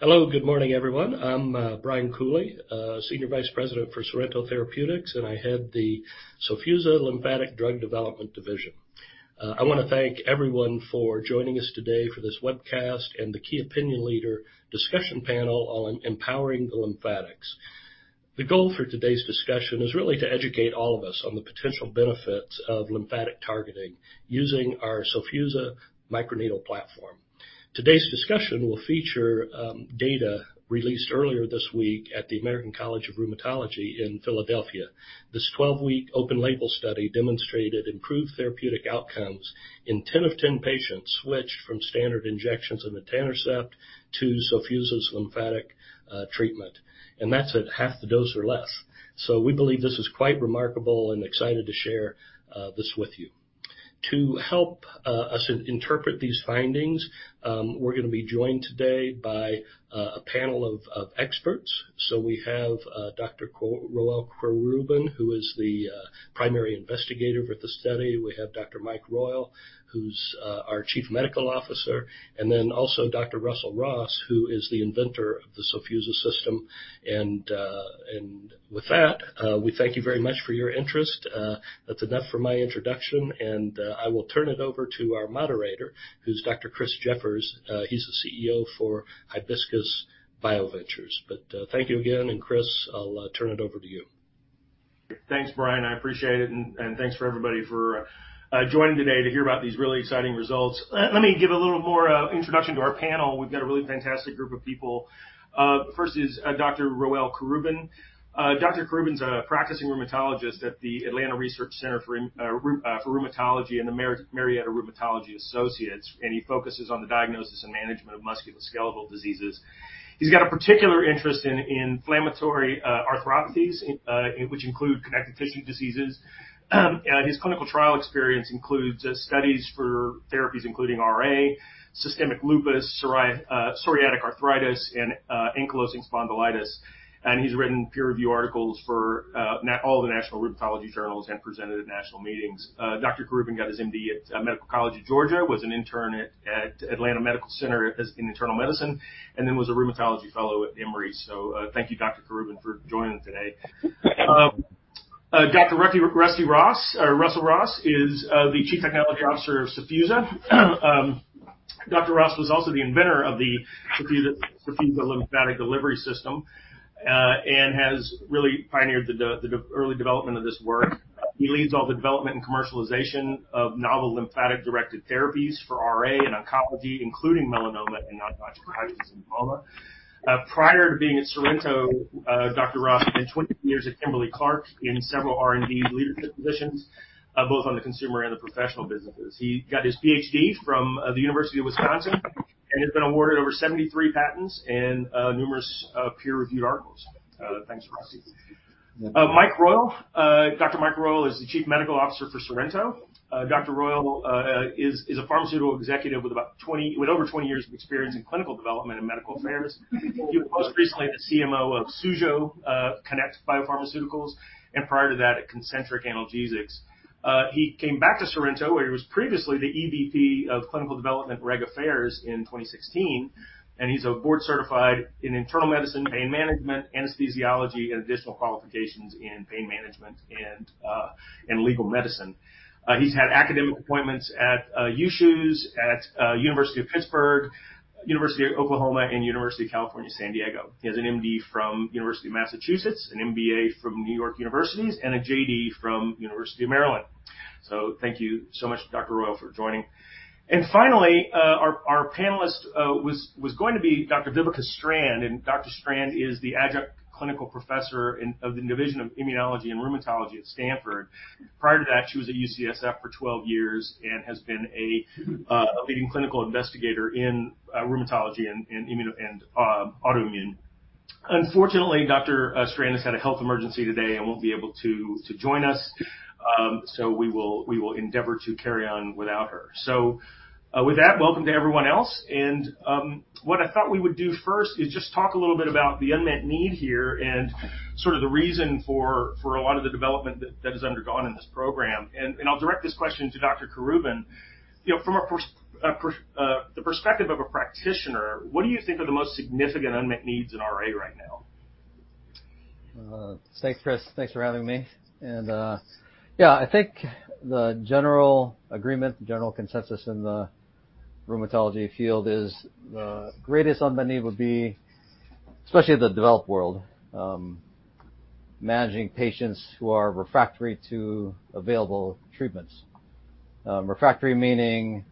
Hello, good morning, everyone. I'm Brian Cooley, Senior Vice President for Sorrento Therapeutics, and I head the Sofusa lymphatic drug development division. I want to thank everyone for joining us today for this webcast and the key opinion leader discussion panel on Empowering the Lymphatics. The goal for today's discussion is really to educate all of us on the potential benefits of lymphatic targeting using our Sofusa microneedle platform. Today's discussion will feature data released earlier this week at the American College of Rheumatology in Philadelphia. This 12-week open-label study demonstrated improved therapeutic outcomes in 10 of 10 patients switched from standard injections of the etanercept to Sofusa's lymphatic treatment, and that's at half the dose or less. So we believe this is quite remarkable and excited to share this with you. To help us interpret these findings, we're going to be joined today by a panel of experts. So we have Dr. Roel Querubin, who is the primary investigator for the study. We have Dr. Mike Royal, who's our Chief Medical Officer, and then also Dr. Russell Ross, who is the inventor of the Sofusa system. And with that, we thank you very much for your interest. That's enough for my introduction, and I will turn it over to our moderator, who's Dr. Chris Jeffers. He's the CEO for Hibiscus BioVentures. But thank you again, and Chris, I'll turn it over to you. Thanks, Brian. I appreciate it, and thanks for everybody for joining today to hear about these really exciting results. Let me give a little more introduction to our panel. We've got a really fantastic group of people. First is Dr. Roel Querubin. Dr. Querubin's a practicing rheumatologist at the Atlanta Research Center for Rheumatology and the Marietta Rheumatology Associates, and he focuses on the diagnosis and management of musculoskeletal diseases. He's got a particular interest in inflammatory arthropathies, which include connective tissue diseases. His clinical trial experience includes studies for therapies, including RA, systemic lupus, psoriatic arthritis, and ankylosing spondylitis. And he's written peer-reviewed articles for all the national rheumatology journals and presented at national meetings. Dr. Querubin got his MD at Medical College of Georgia, was an intern at Atlanta Medical Center in internal medicine, and then was a rheumatology fellow at Emory. So thank you, Dr. Querubin, for joining today. Dr. Rusty Ross or Russell Ross is the Chief Technology Officer of Sofusa. Dr. Ross was also the inventor of the Sofusa Lymphatic Delivery System and has really pioneered the early development of this work. He leads all the development and commercialization of novel lymphatic-directed therapies for RA and oncology, including melanoma and non-Hodgkin's lymphoma. Prior to being at Sorrento, Dr. Ross spent 20 years at Kimberly-Clark in several R&D leadership positions, both on the consumer and the professional businesses. He got his PhD from the University of Wisconsin and has been awarded over 73 patents and numerous peer-reviewed articles. Thanks, Rusty. Dr. Mike Royal is the Chief Medical Officer for Sorrento. Dr. Royal is a pharmaceutical executive with over 20 years of experience in clinical development and medical affairs. He was most recently the CMO of Connect Biopharma, and prior to that, at Concentric Analgesics. He came back to Sorrento, where he was previously the EVP of Clinical Development Reg Affairs in 2016, and he's board-certified in internal medicine, pain management, anesthesiology, and additional qualifications in pain management and legal medicine. He's had academic appointments at USUHS, at the University of Pittsburgh, University of Oklahoma, and University of California, San Diego. He has an MD from the University of Massachusetts, an MBA from New York University, and a JD from the University of Maryland. So thank you so much, Dr. Royal, for joining. And finally, our panelist was going to be Dr. Vibeke Strand, and Dr. Strand is the Adjunct Clinical Professor of the Division of Immunology and Rheumatology at Stanford University. Prior to that, she was at UCSF for 12 years and has been a leading clinical investigator in rheumatology and autoimmune. Unfortunately, Dr. Strand has had a health emergency today and won't be able to join us, so we will endeavor to carry on without her. So with that, welcome to everyone else. And what I thought we would do first is just talk a little bit about the unmet need here and sort of the reason for a lot of the development that has undergone in this program. And I'll direct this question to Dr. Querubin. From the perspective of a practitioner, what do you think are the most significant unmet needs in RA right now? Thanks, Chris. Thanks for having me, and yeah, I think the general agreement, the general consensus in the rheumatology field is the greatest unmet need would be, especially in the developed world, managing patients who are refractory to available treatments. Refractory meaning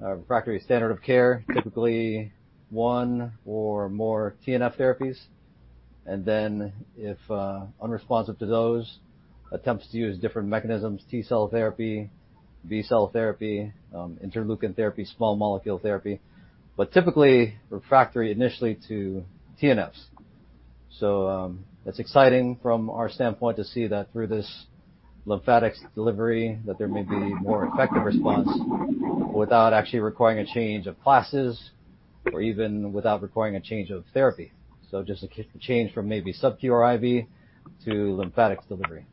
refractory standard of care, typically one or more TNF therapies, and then if unresponsive to those, attempts to use different mechanisms: T-cell therapy, B-cell therapy, interleukin therapy, small molecule therapy, but typically refractory initially to TNFs, so that's exciting from our standpoint to see that through this lymphatics delivery that there may be more effective response without actually requiring a change of classes or even without requiring a change of therapy, so just a change from maybe subcu or IV to lymphatics delivery.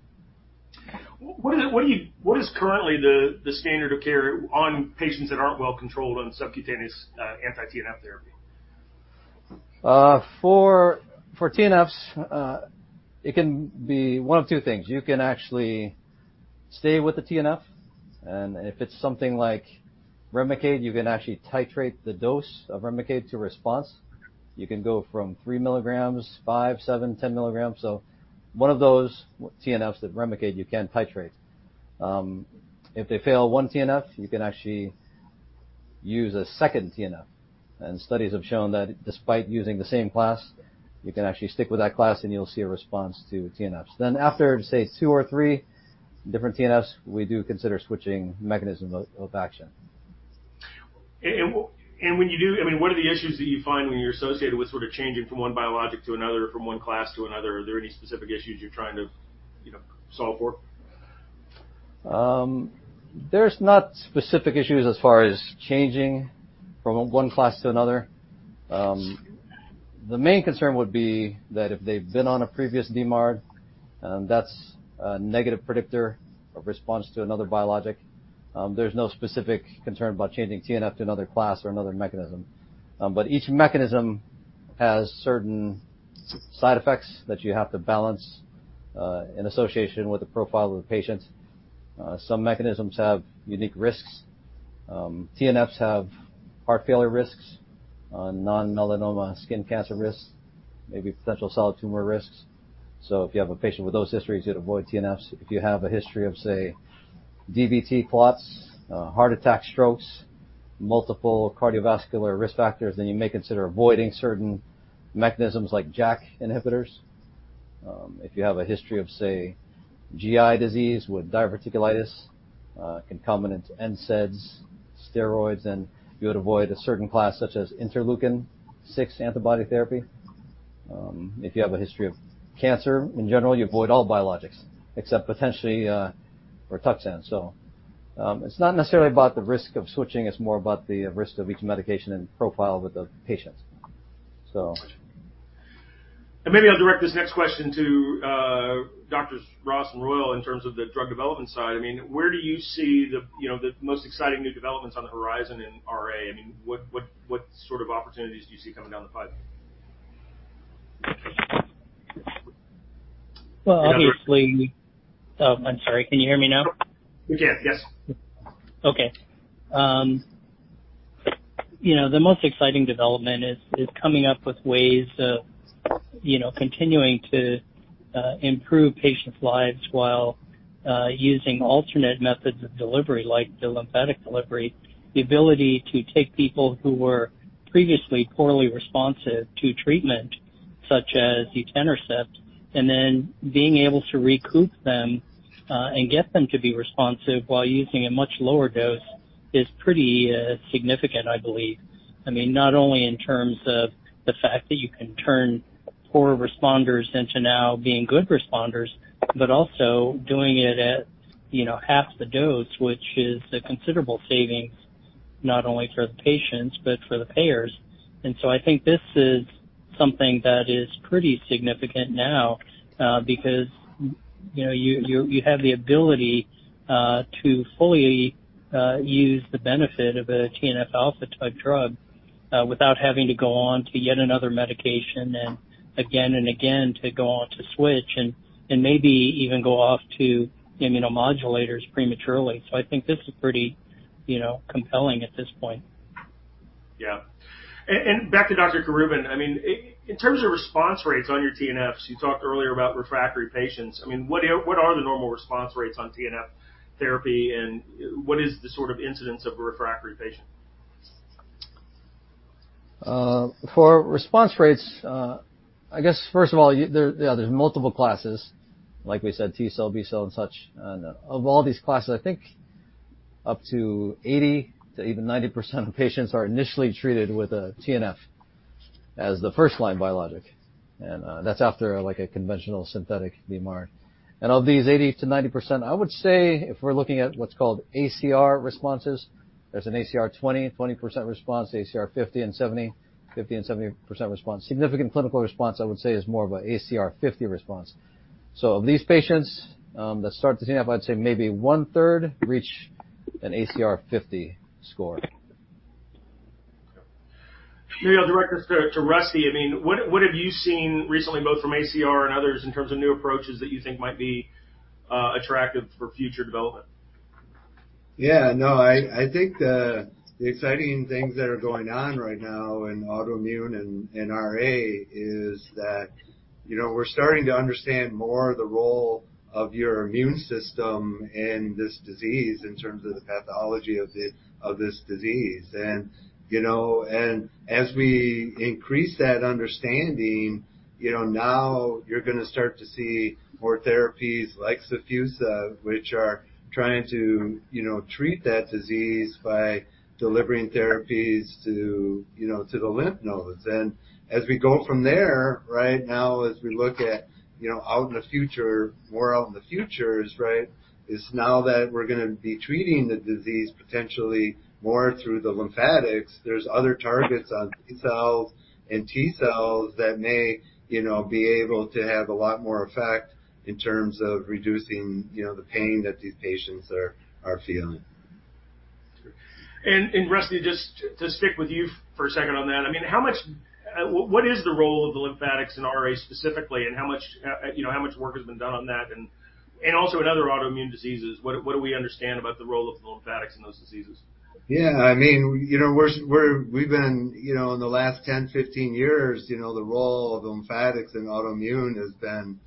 What is currently the standard of care on patients that aren't well controlled on subcutaneous anti-TNF therapy? For TNFs, it can be one of two things. You can actually stay with the TNF, and if it's something like Remicade, you can actually titrate the dose of Remicade to response. You can go from three milligrams, five, seven, 10 milligrams. So one of those TNFs that Remicade you can titrate. If they fail one TNF, you can actually use a second TNF. And studies have shown that despite using the same class, you can actually stick with that class, and you'll see a response to TNFs. Then after, say, two or three different TNFs, we do consider switching mechanism of action. When you do, I mean, what are the issues that you find when you're associated with sort of changing from one biologic to another, from one class to another? Are there any specific issues you're trying to solve for? are no specific issues as far as changing from one class to another. The main concern would be that if they've been on a previous DMARD, and that's a negative predictor of response to another biologic, there's no specific concern about changing TNF to another class or another mechanism. But each mechanism has certain side effects that you have to balance in association with the profile of the patient. Some mechanisms have unique risks. TNFs have heart failure risks, non-melanoma skin cancer risks, maybe potential solid tumor risks. So if you have a patient with those histories, you'd avoid TNFs. If you have a history of, say, DVT clots, heart attack, strokes, multiple cardiovascular risk factors, then you may consider avoiding certain mechanisms like JAK inhibitors. If you have a history of, say, GI disease with diverticulitis, concomitant NSAIDs, steroids, then you would avoid a certain class such as interleukin-6 antibody therapy. If you have a history of cancer, in general, you avoid all biologics except potentially Rituxan. So it's not necessarily about the risk of switching. It's more about the risk of each medication and profile with the patient. Maybe I'll direct this next question to Doctors Ross and Royal in terms of the drug development side. I mean, where do you see the most exciting new developments on the horizon in RA? I mean, what sort of opportunities do you see coming down the pipe? Well, obviously. I'm sorry. Can you hear me now? We can, yes. Okay. You know, the most exciting development is coming up with ways of continuing to improve patients' lives while using alternate methods of delivery like the lymphatic delivery. The ability to take people who were previously poorly responsive to treatment, such as etanercept, and then being able to recoup them and get them to be responsive while using a much lower dose is pretty significant, I believe. I mean, not only in terms of the fact that you can turn poor responders into now being good responders, but also doing it at half the dose, which is a considerable savings not only for the patients, but for the payers. I think this is something that is pretty significant now because you have the ability to fully use the benefit of a TNF-alpha type drug without having to go on to yet another medication and again and again to go on to switch and maybe even go off to immunomodulators prematurely. I think this is pretty compelling at this point. Yeah. And back to Dr. Querubin. I mean, in terms of response rates on your TNFs, you talked earlier about refractory patients. I mean, what are the normal response rates on TNF therapy, and what is the sort of incidence of a refractory patient? For response rates, I guess, first of all, there's multiple classes, like we said, T-cell, B-cell, and such. Of all these classes, I think up to 80%-90% of patients are initially treated with a TNF as the first-line biologic, and that's after like a conventional synthetic DMARD, and of these 80%-90%, I would say if we're looking at what's called ACR responses, there's an ACR20, 20% response, ACR50 and ACR70, 50% and 70% response. Significant clinical response, I would say, is more of an ACR50 response, so of these patients that start the TNF, I'd say maybe one-third reach an ACR50 score. Maybe I'll direct this to Rusty. I mean, what have you seen recently, both from ACR and others, in terms of new approaches that you think might be attractive for future development? Yeah, no, I think the exciting things that are going on right now in autoimmune and RA is that we're starting to understand more the role of your immune system in this disease in terms of the pathology of this disease. As we increase that understanding, now you're going to start to see more therapies like Sofusa, which are trying to treat that disease by delivering therapies to the lymph nodes. As we go from there, right now, as we look out in the future, more out in the future, right, it's now that we're going to be treating the disease potentially more through the lymphatics. There's other targets on B-cells and T-cells that may be able to have a lot more effect in terms of reducing the pain that these patients are feeling. Rusty, just to stick with you for a second on that. I mean, what is the role of the lymphatics in RA specifically, and how much work has been done on that? Also in other autoimmune diseases, what do we understand about the role of the lymphatics in those diseases? Yeah, I mean, we've been in the last 10, 15 years, the role of lymphatics and autoimmune has been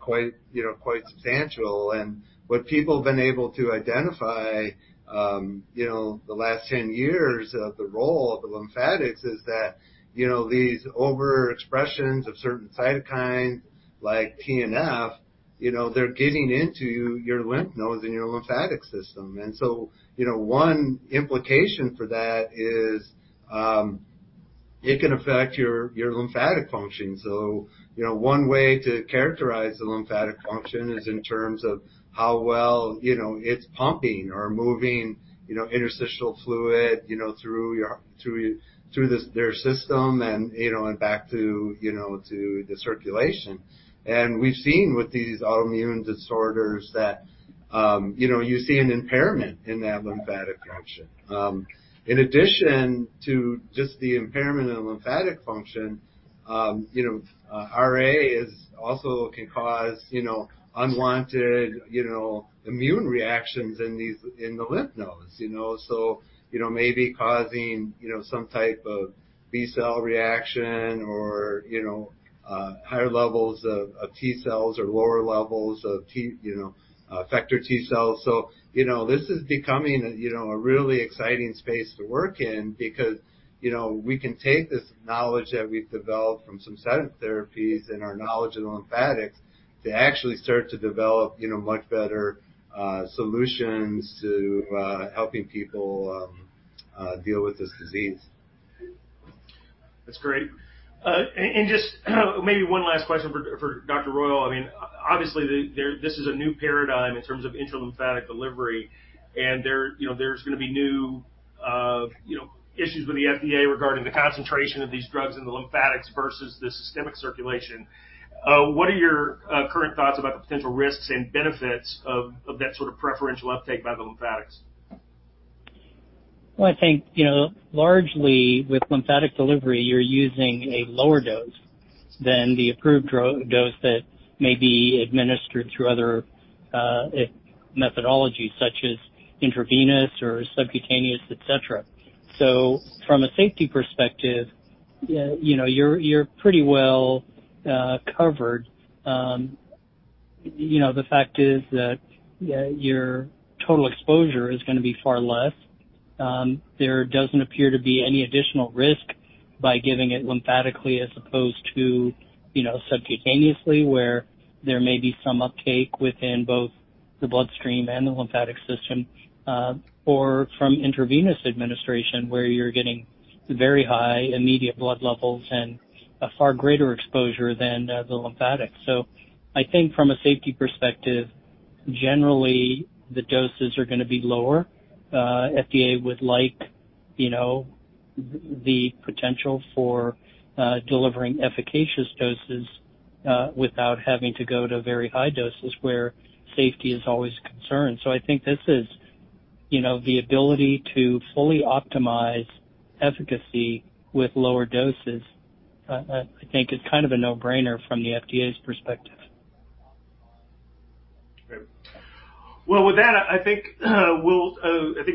quite substantial. And what people have been able to identify the last 10 years of the role of the lymphatics is that these overexpressions of certain cytokines like TNF, they're getting into your lymph nodes and your lymphatic system. And so one implication for that is it can affect your lymphatic function. So one way to characterize the lymphatic function is in terms of how well it's pumping or moving interstitial fluid through their system and back to the circulation. And we've seen with these autoimmune disorders that you see an impairment in that lymphatic function. In addition to just the impairment in lymphatic function, RA also can cause unwanted immune reactions in the lymph nodes. So maybe causing some type of B-cell reaction or higher levels of T-cells or lower levels of effector T-cells. So this is becoming a really exciting space to work in because we can take this knowledge that we've developed from some systemic therapies and our knowledge of lymphatics to actually start to develop much better solutions to helping people deal with this disease. That's great. And just maybe one last question for Dr. Royal. I mean, obviously, this is a new paradigm in terms of intralymphatic delivery, and there's going to be new issues with the FDA regarding the concentration of these drugs in the lymphatics versus the systemic circulation. What are your current thoughts about the potential risks and benefits of that sort of preferential uptake by the lymphatics? I think largely with lymphatic delivery, you're using a lower dose than the approved dose that may be administered through other methodologies such as intravenous or subcutaneous, etc. From a safety perspective, you're pretty well covered. The fact is that your total exposure is going to be far less. There doesn't appear to be any additional risk by giving it lymphatically as opposed to subcutaneously, where there may be some uptake within both the bloodstream and the lymphatic system, or from intravenous administration where you're getting very high immediate blood levels and a far greater exposure than the lymphatics. I think from a safety perspective, generally, the doses are going to be lower. FDA would like the potential for delivering efficacious doses without having to go to very high doses where safety is always a concern. So I think this is the ability to fully optimize efficacy with lower doses, I think, is kind of a no-brainer from the FDA's perspective. With that, I think it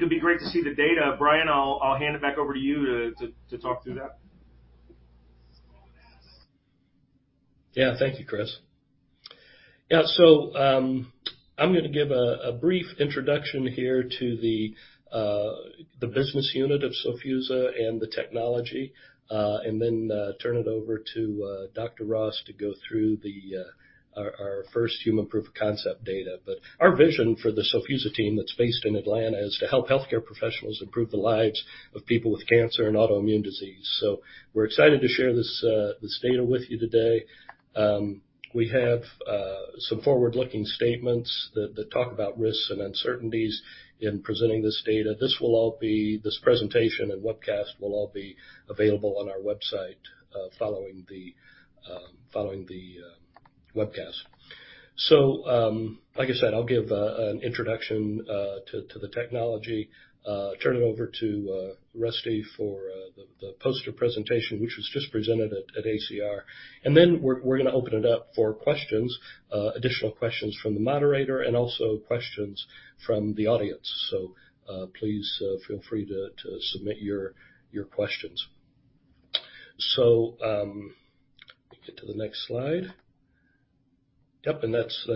would be great to see the data. Brian, I'll hand it back over to you to talk through that. Yeah, thank you, Chris. Yeah, so I'm going to give a brief introduction here to the business unit of Sofusa and the technology, and then turn it over to Dr. Ross to go through our first human proof-of-concept data. But our vision for the Sofusa team that's based in Atlanta is to help healthcare professionals improve the lives of people with cancer and autoimmune disease. So we're excited to share this data with you today. We have some forward-looking statements that talk about risks and uncertainties in presenting this data. This presentation and webcast will all be available on our website following the webcast. So like I said, I'll give an introduction to the technology, turn it over to Rusty for the poster presentation, which was just presented at ACR. And then we're going to open it up for additional questions from the moderator and also questions from the audience. Please feel free to submit your questions. Let me get to the next slide. Yep, and that's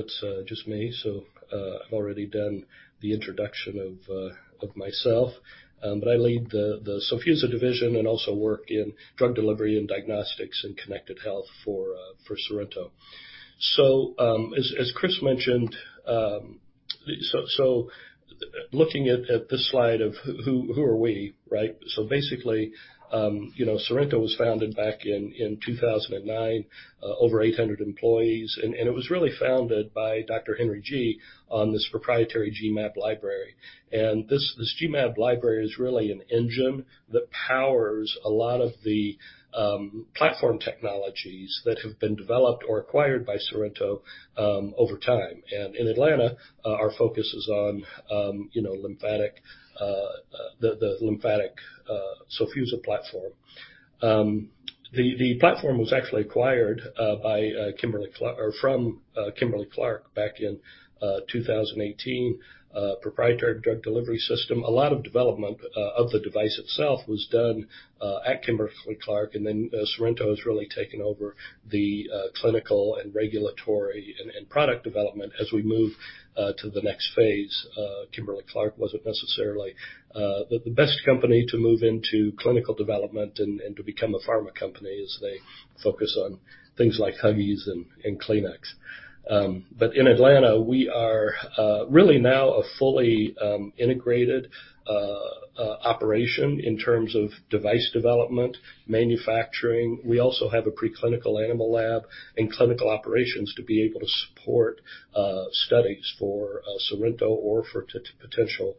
just me. I've already done the introduction of myself, but I lead the Sofusa division and also work in drug delivery and diagnostics and connected health for Sorrento. As Chris mentioned, looking at this slide of who are we, right? Basically, Sorrento was founded back in 2009, over 800 employees, and it was really founded by Dr. Henry Ji on this proprietary G-MAB library. This G-MAB library is really an engine that powers a lot of the platform technologies that have been developed or acquired by Sorrento over time. In Atlanta, our focus is on the lymphatic Sofusa platform. The platform was actually acquired from Kimberly-Clark back in 2018, proprietary drug delivery system. A lot of development of the device itself was done at Kimberly-Clark, and then Sorrento has really taken over the clinical and regulatory and product development as we move to the next phase. Kimberly-Clark wasn't necessarily the best company to move into clinical development and to become a pharma company as they focus on things like Huggies and Kleenex. But in Atlanta, we are really now a fully integrated operation in terms of device development, manufacturing. We also have a preclinical animal lab and clinical operations to be able to support studies for Sorrento or for potential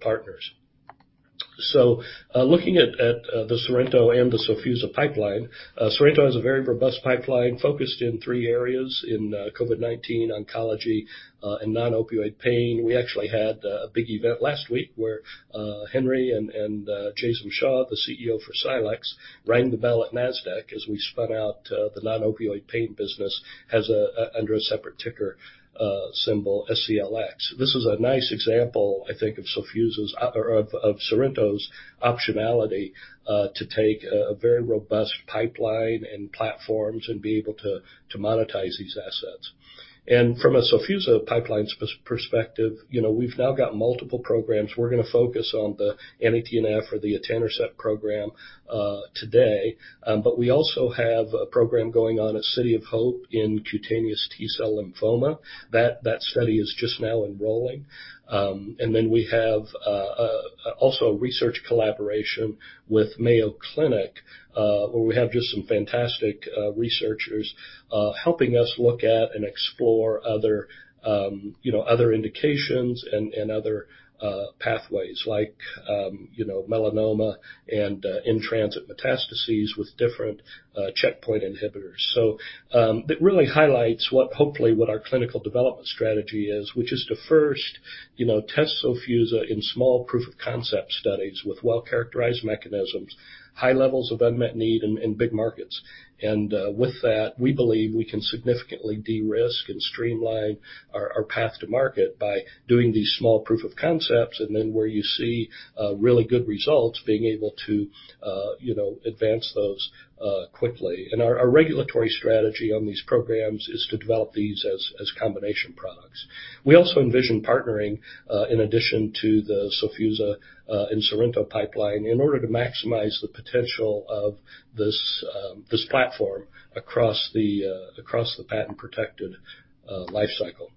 partners. So looking at the Sorrento and the Sofusa pipeline, Sorrento has a very robust pipeline focused in three areas: in COVID-19, oncology, and non-opioid pain. We actually had a big event last week where Henry Ji and Jaisim Shah, the CEO for Scilex, rang the bell at NASDAQ as we spun out the non-opioid pain business under a separate ticker symbol, SCLX. This is a nice example, I think, of Sorrento's optionality to take a very robust pipeline and platforms and be able to monetize these assets, and from a Sofusa pipeline perspective, we've now got multiple programs. We're going to focus on the anti-TNF or the etenircept program today, but we also have a program going on at City of Hope in cutaneous T-cell lymphoma. That study is just now enrolling, and then we have also a research collaboration with Mayo Clinic where we have just some fantastic researchers helping us look at and explore other indications and other pathways like melanoma and in-transit metastases with different checkpoint inhibitors. So it really highlights hopefully what our clinical development strategy is, which is to first test Sofusa in small proof of concept studies with well-characterized mechanisms, high levels of unmet need, and big markets. And with that, we believe we can significantly de-risk and streamline our path to market by doing these small proof of concepts and then where you see really good results, being able to advance those quickly. And our regulatory strategy on these programs is to develop these as combination products. We also envision partnering in addition to the Sofusa and Sorrento pipeline in order to maximize the potential of this platform across the patent-protected lifecycle.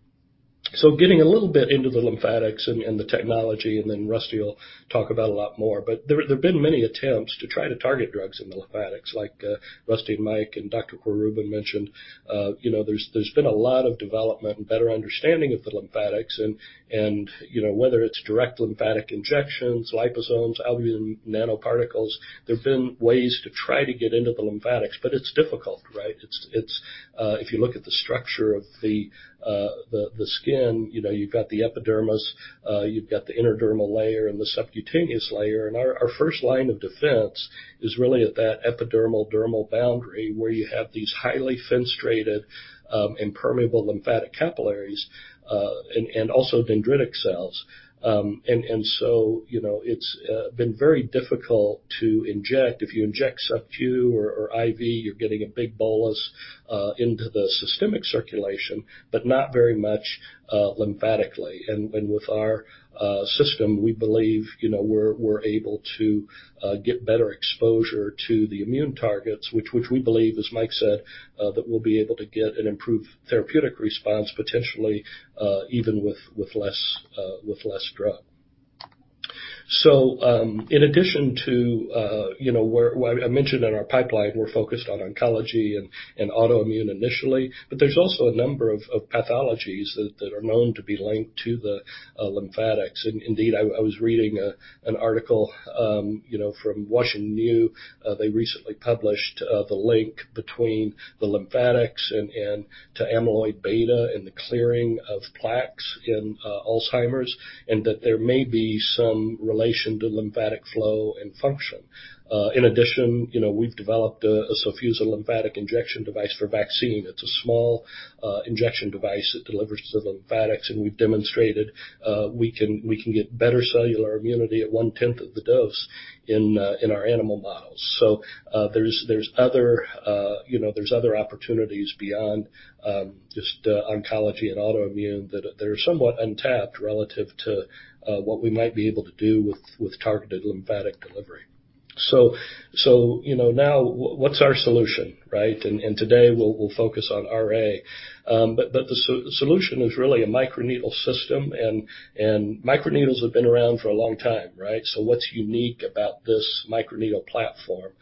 So getting a little bit into the lymphatics and the technology, and then Rusty will talk about a lot more. But there have been many attempts to try to target drugs in the lymphatics, like Rusty and Mike and Dr. Querubin mentioned. There's been a lot of development and better understanding of the lymphatics, and whether it's direct lymphatic injections, liposomes, albumin nanoparticles, there have been ways to try to get into the lymphatics, but it's difficult, right? If you look at the structure of the skin, you've got the epidermis, you've got the innerdermal layer and the subcutaneous layer. Our first line of defense is really at that epidermal dermal boundary where you have these highly fenestrated and permeable lymphatic capillaries and also dendritic cells. So it's been very difficult to inject. If you inject subcutaneous or IV, you're getting a big bolus into the systemic circulation, but not very much lymphatically. And with our system, we believe we're able to get better exposure to the immune targets, which we believe, as Mike said, that we'll be able to get an improved therapeutic response potentially even with less drug. So in addition to what I mentioned in our pipeline, we're focused on oncology and autoimmune initially, but there's also a number of pathologies that are known to be linked to the lymphatics. Indeed, I was reading an article from Washington University. They recently published the link between the lymphatics and to amyloid beta and the clearing of plaques in Alzheimer's, and that there may be some relation to lymphatic flow and function. In addition, we've developed a Sofusa lymphatic injection device for vaccine. It's a small injection device that delivers to the lymphatics, and we've demonstrated we can get better cellular immunity at one-tenth of the dose in our animal models. So there's other opportunities beyond just oncology and autoimmune that are somewhat untapped relative to what we might be able to do with targeted lymphatic delivery. So now, what's our solution, right? And today, we'll focus on RA. But the solution is really a microneedle system, and microneedles have been around for a long time, right? So what's unique about this microneedle platform?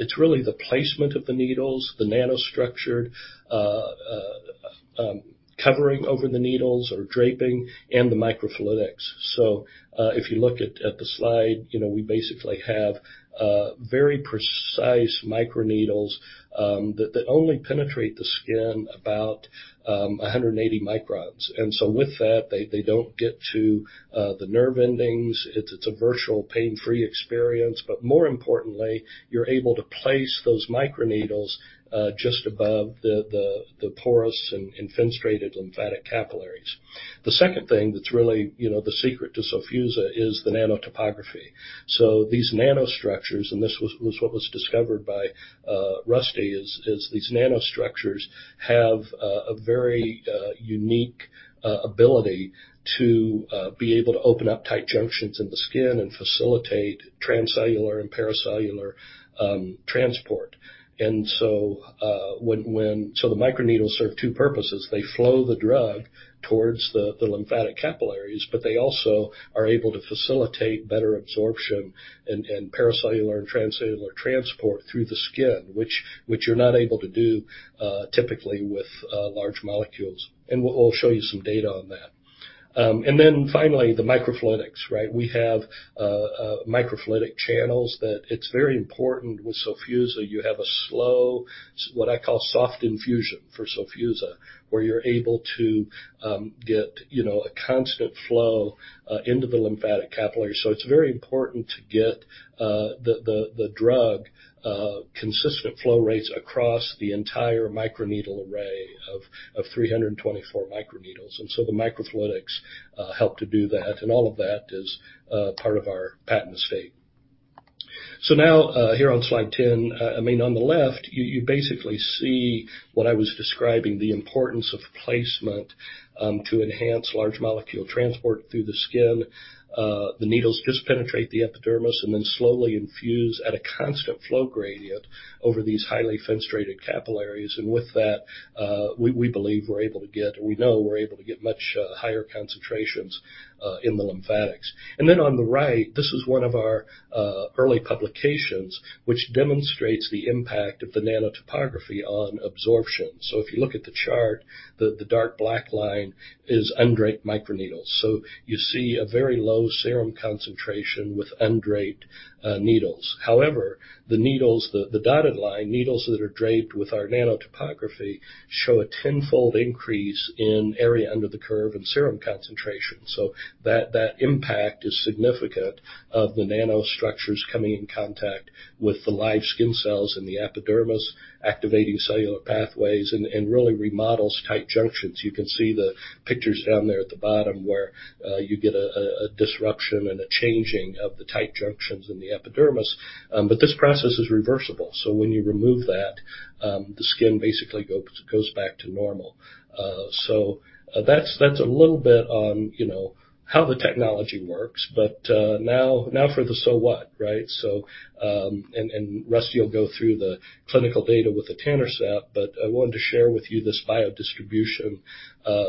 It's really the placement of the needles, the nanostructured covering over the needles or draping, and the microfluidics. So if you look at the slide, we basically have very precise microneedles that only penetrate the skin about 180 microns. And so with that, they don't get to the nerve endings. It's a virtual pain-free experience. But more importantly, you're able to place those microneedles just above the porous and fenestrated lymphatic capillaries. The second thing that's really the secret to Sofusa is the nano-topography. These nanostructures, and this was what was discovered by Rusty, are these nanostructures have a very unique ability to be able to open up tight junctions in the skin and facilitate transcellular and paracellular transport. The microneedles serve two purposes. They flow the drug towards the lymphatic capillaries, but they also are able to facilitate better absorption and paracellular and transcellular transport through the skin, which you're not able to do typically with large molecules. We'll show you some data on that. Then finally, the microfluidics, right? We have microfluidic channels that it's very important with Sofusa. You have a slow, what I call soft infusion for Sofusa, where you're able to get a constant flow into the lymphatic capillary. It's very important to get the drug consistent flow rates across the entire microneedle array of 324 microneedles. And so the microfluidics help to do that. And all of that is part of our patent estate. So now, here on slide 10, I mean, on the left, you basically see what I was describing, the importance of placement to enhance large molecule transport through the skin. The needles just penetrate the epidermis and then slowly infuse at a constant flow gradient over these highly fenestrated capillaries. And with that, we believe we're able to get, or we know we're able to get much higher concentrations in the lymphatics. And then on the right, this is one of our early publications, which demonstrates the impact of the nano-topography on absorption. So if you look at the chart, the dark black line is undraped microneedles. So you see a very low serum concentration with undraped needles. However, the dotted line needles that are draped with our nano-topography show a tenfold increase in area under the curve and serum concentration. So that impact is significant of the nanostructures coming in contact with the live skin cells in the epidermis, activating cellular pathways and really remodels tight junctions. You can see the pictures down there at the bottom where you get a disruption and a changing of the tight junctions in the epidermis. But this process is reversible. So when you remove that, the skin basically goes back to normal. So that's a little bit on how the technology works. But now for the so what, right? And Rusty will go through the clinical data with etanercept, but I wanted to share with you this biodistribution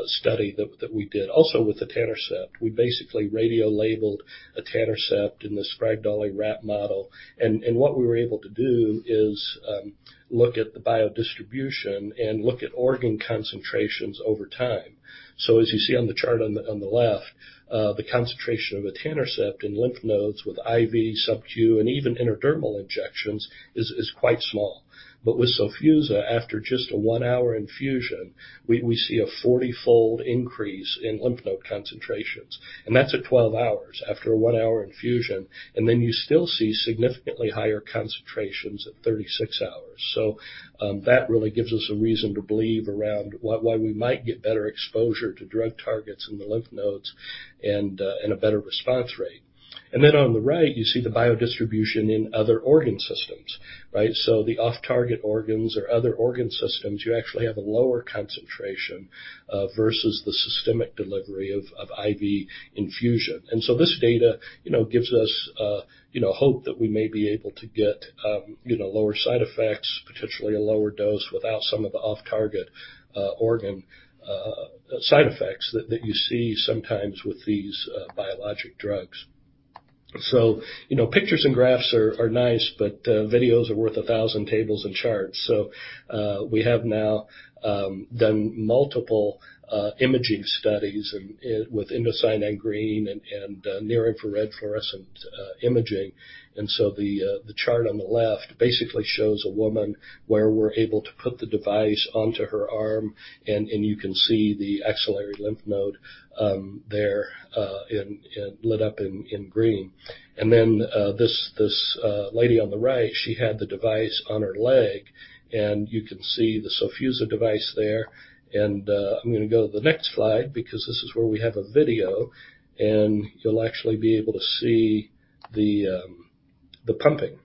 study that we did also with etanercept. We basically radio-labeled etanercept in this Sprague-Dawley rat model. What we were able to do is look at the biodistribution and look at organ concentrations over time. So as you see on the chart on the left, the concentration of etanercept in lymph nodes with IV, subcutaneous, and even intradermal injections is quite small. But with Sofusa, after just a one-hour infusion, we see a 40-fold increase in lymph node concentrations. And that's at 12 hours after a one-hour infusion. And then you still see significantly higher concentrations at 36 hours. So that really gives us a reason to believe around why we might get better exposure to drug targets in the lymph nodes and a better response rate. And then on the right, you see the biodistribution in other organ systems, right? So the off-target organs or other organ systems, you actually have a lower concentration versus the systemic delivery of IV infusion. And so this data gives us hope that we may be able to get lower side effects, potentially a lower dose without some of the off-target organ side effects that you see sometimes with these biologic drugs. So pictures and graphs are nice, but videos are worth a thousand tables and charts. So we have now done multiple imaging studies with indocyanine green and near-infrared fluorescent imaging. And so the chart on the left basically shows a woman where we're able to put the device onto her arm, and you can see the axillary lymph node there lit up in green. And then this lady on the right, she had the device on her leg, and you can see the Sofusa device there. And I'm going to go to the next slide because this is where we have a video, and you'll actually be able to see the pumping,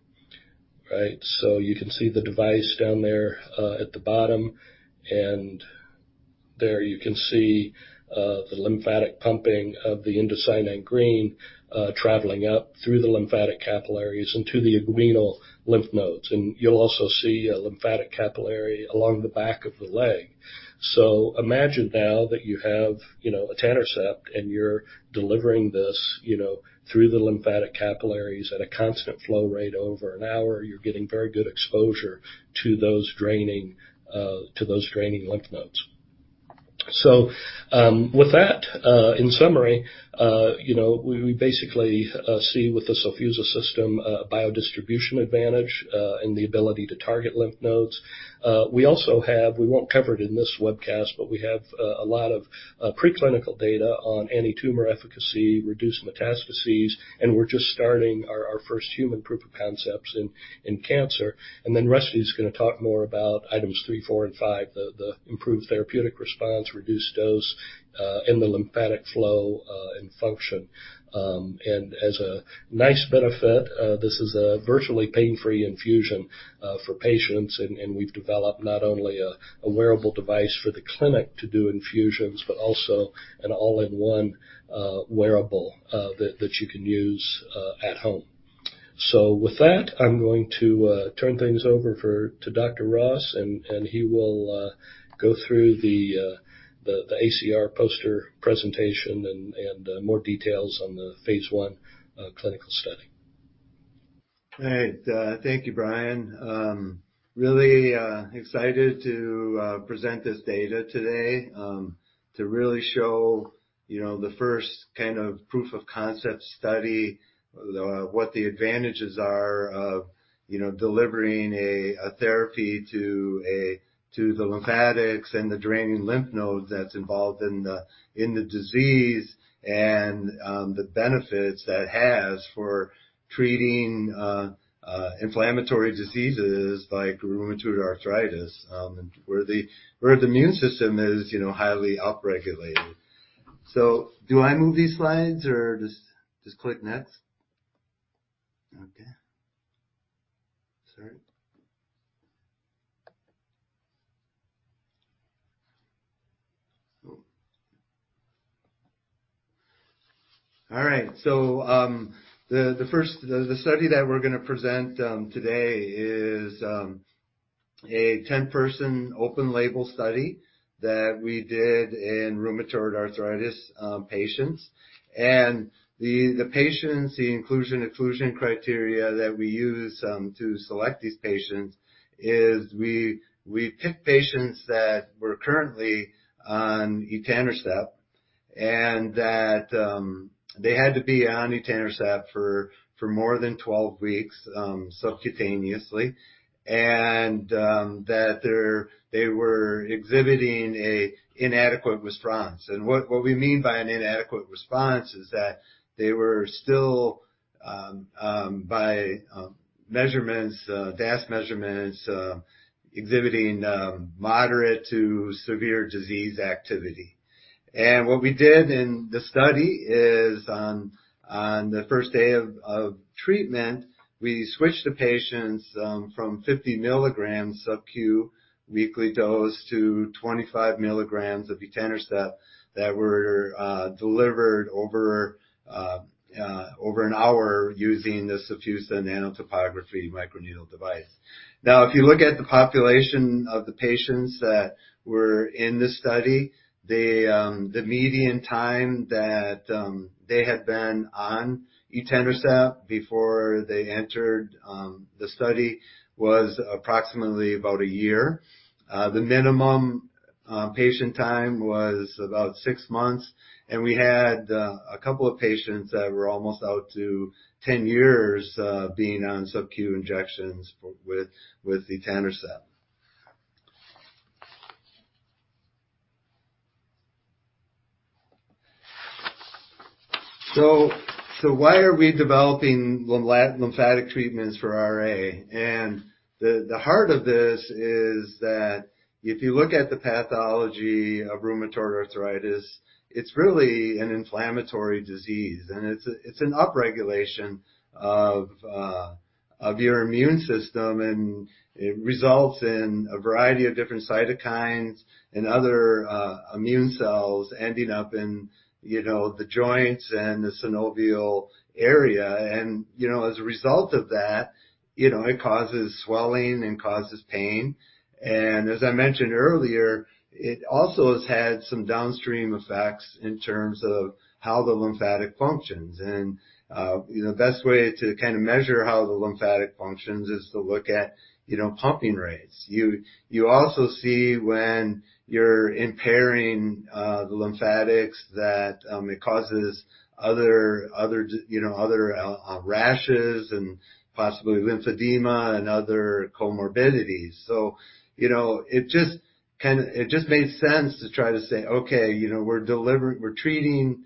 right? You can see the device down there at the bottom. And there you can see the lymphatic pumping of the indocyanine green traveling up through the lymphatic capillaries into the axillary lymph nodes. And you'll also see a lymphatic capillary along the back of the leg. Imagine now that you have etanercept and you're delivering this through the lymphatic capillaries at a constant flow rate over an hour. You're getting very good exposure to those draining lymph nodes. With that, in summary, we basically see with the Sofusa system a biodistribution advantage and the ability to target lymph nodes. We also have, we won't cover it in this webcast, but we have a lot of preclinical data on antitumor efficacy, reduced metastases, and we're just starting our first human proof of concepts in cancer. And then Rusty is going to talk more about items three, four, and five, the improved therapeutic response, reduced dose, and the lymphatic flow and function. And as a nice benefit, this is a virtually pain-free infusion for patients, and we've developed not only a wearable device for the clinic to do infusions, but also an all-in-one wearable that you can use at home. So with that, I'm going to turn things over to Dr. Ross, and he will go through the ACR poster presentation and more details on the phase one clinical study. All right. Thank you, Brian. Really excited to present this data today to really show the first kind of proof of concept study, what the advantages are of delivering a therapy to the lymphatics and the draining lymph nodes that's involved in the disease and the benefits that has for treating inflammatory diseases like rheumatoid arthritis where the immune system is highly upregulated. So do I move these slides or just click next? Okay. Sorry. All right. So the study that we're going to present today is a 10-person open-label study that we did in rheumatoid arthritis patients. And the patients, the inclusion-exclusion criteria that we use to select these patients is we pick patients that were currently on etanercept and that they had to be on etanercept for more than 12 weeks subcutaneously and that they were exhibiting an inadequate response. What we mean by an inadequate response is that they were still, by measurements, DAS measurements, exhibiting moderate to severe disease activity. What we did in the study is on the first day of treatment, we switched the patients from 50 milligrams subcutaneous weekly dose to 25 milligrams of etanercept that were delivered over an hour using the Sofusa nano-topography microneedle device. Now, if you look at the population of the patients that were in this study, the median time that they had been on etanercept before they entered the study was approximately about a year. The minimum patient time was about six months. We had a couple of patients that were almost out to 10 years being on subcutaneous injections with etanercept. Why are we developing lymphatic treatments for RA? The heart of this is that if you look at the pathology of rheumatoid arthritis, it's really an inflammatory disease. It's an upregulation of your immune system, and it results in a variety of different cytokines and other immune cells ending up in the joints and the synovial area. As a result of that, it causes swelling and causes pain. As I mentioned earlier, it also has had some downstream effects in terms of how the lymphatic functions. The best way to kind of measure how the lymphatic functions is to look at pumping rates. You also see when you're impairing the lymphatics that it causes other rashes and possibly lymphedema and other comorbidities. It just made sense to try to say, "Okay, we're treating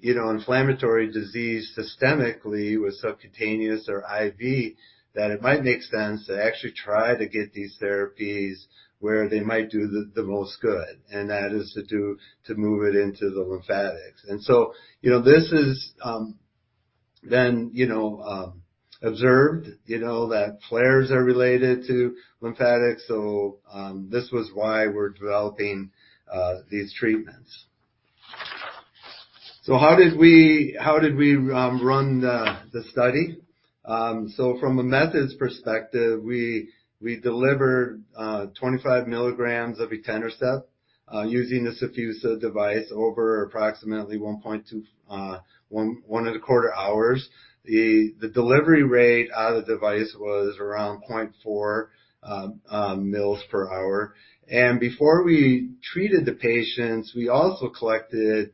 inflammatory disease systemically with subcutaneous or IV," that it might make sense to actually try to get these therapies where they might do the most good. That is to move it into the lymphatics. This is then observed that flares are related to lymphatics. This was why we're developing these treatments. How did we run the study? From a methods perspective, we delivered 25 milligrams of etanercept using the Sofusa device over approximately one and a quarter hours. The delivery rate out of the device was around 0.4 ml per hour. Before we treated the patients, we also collected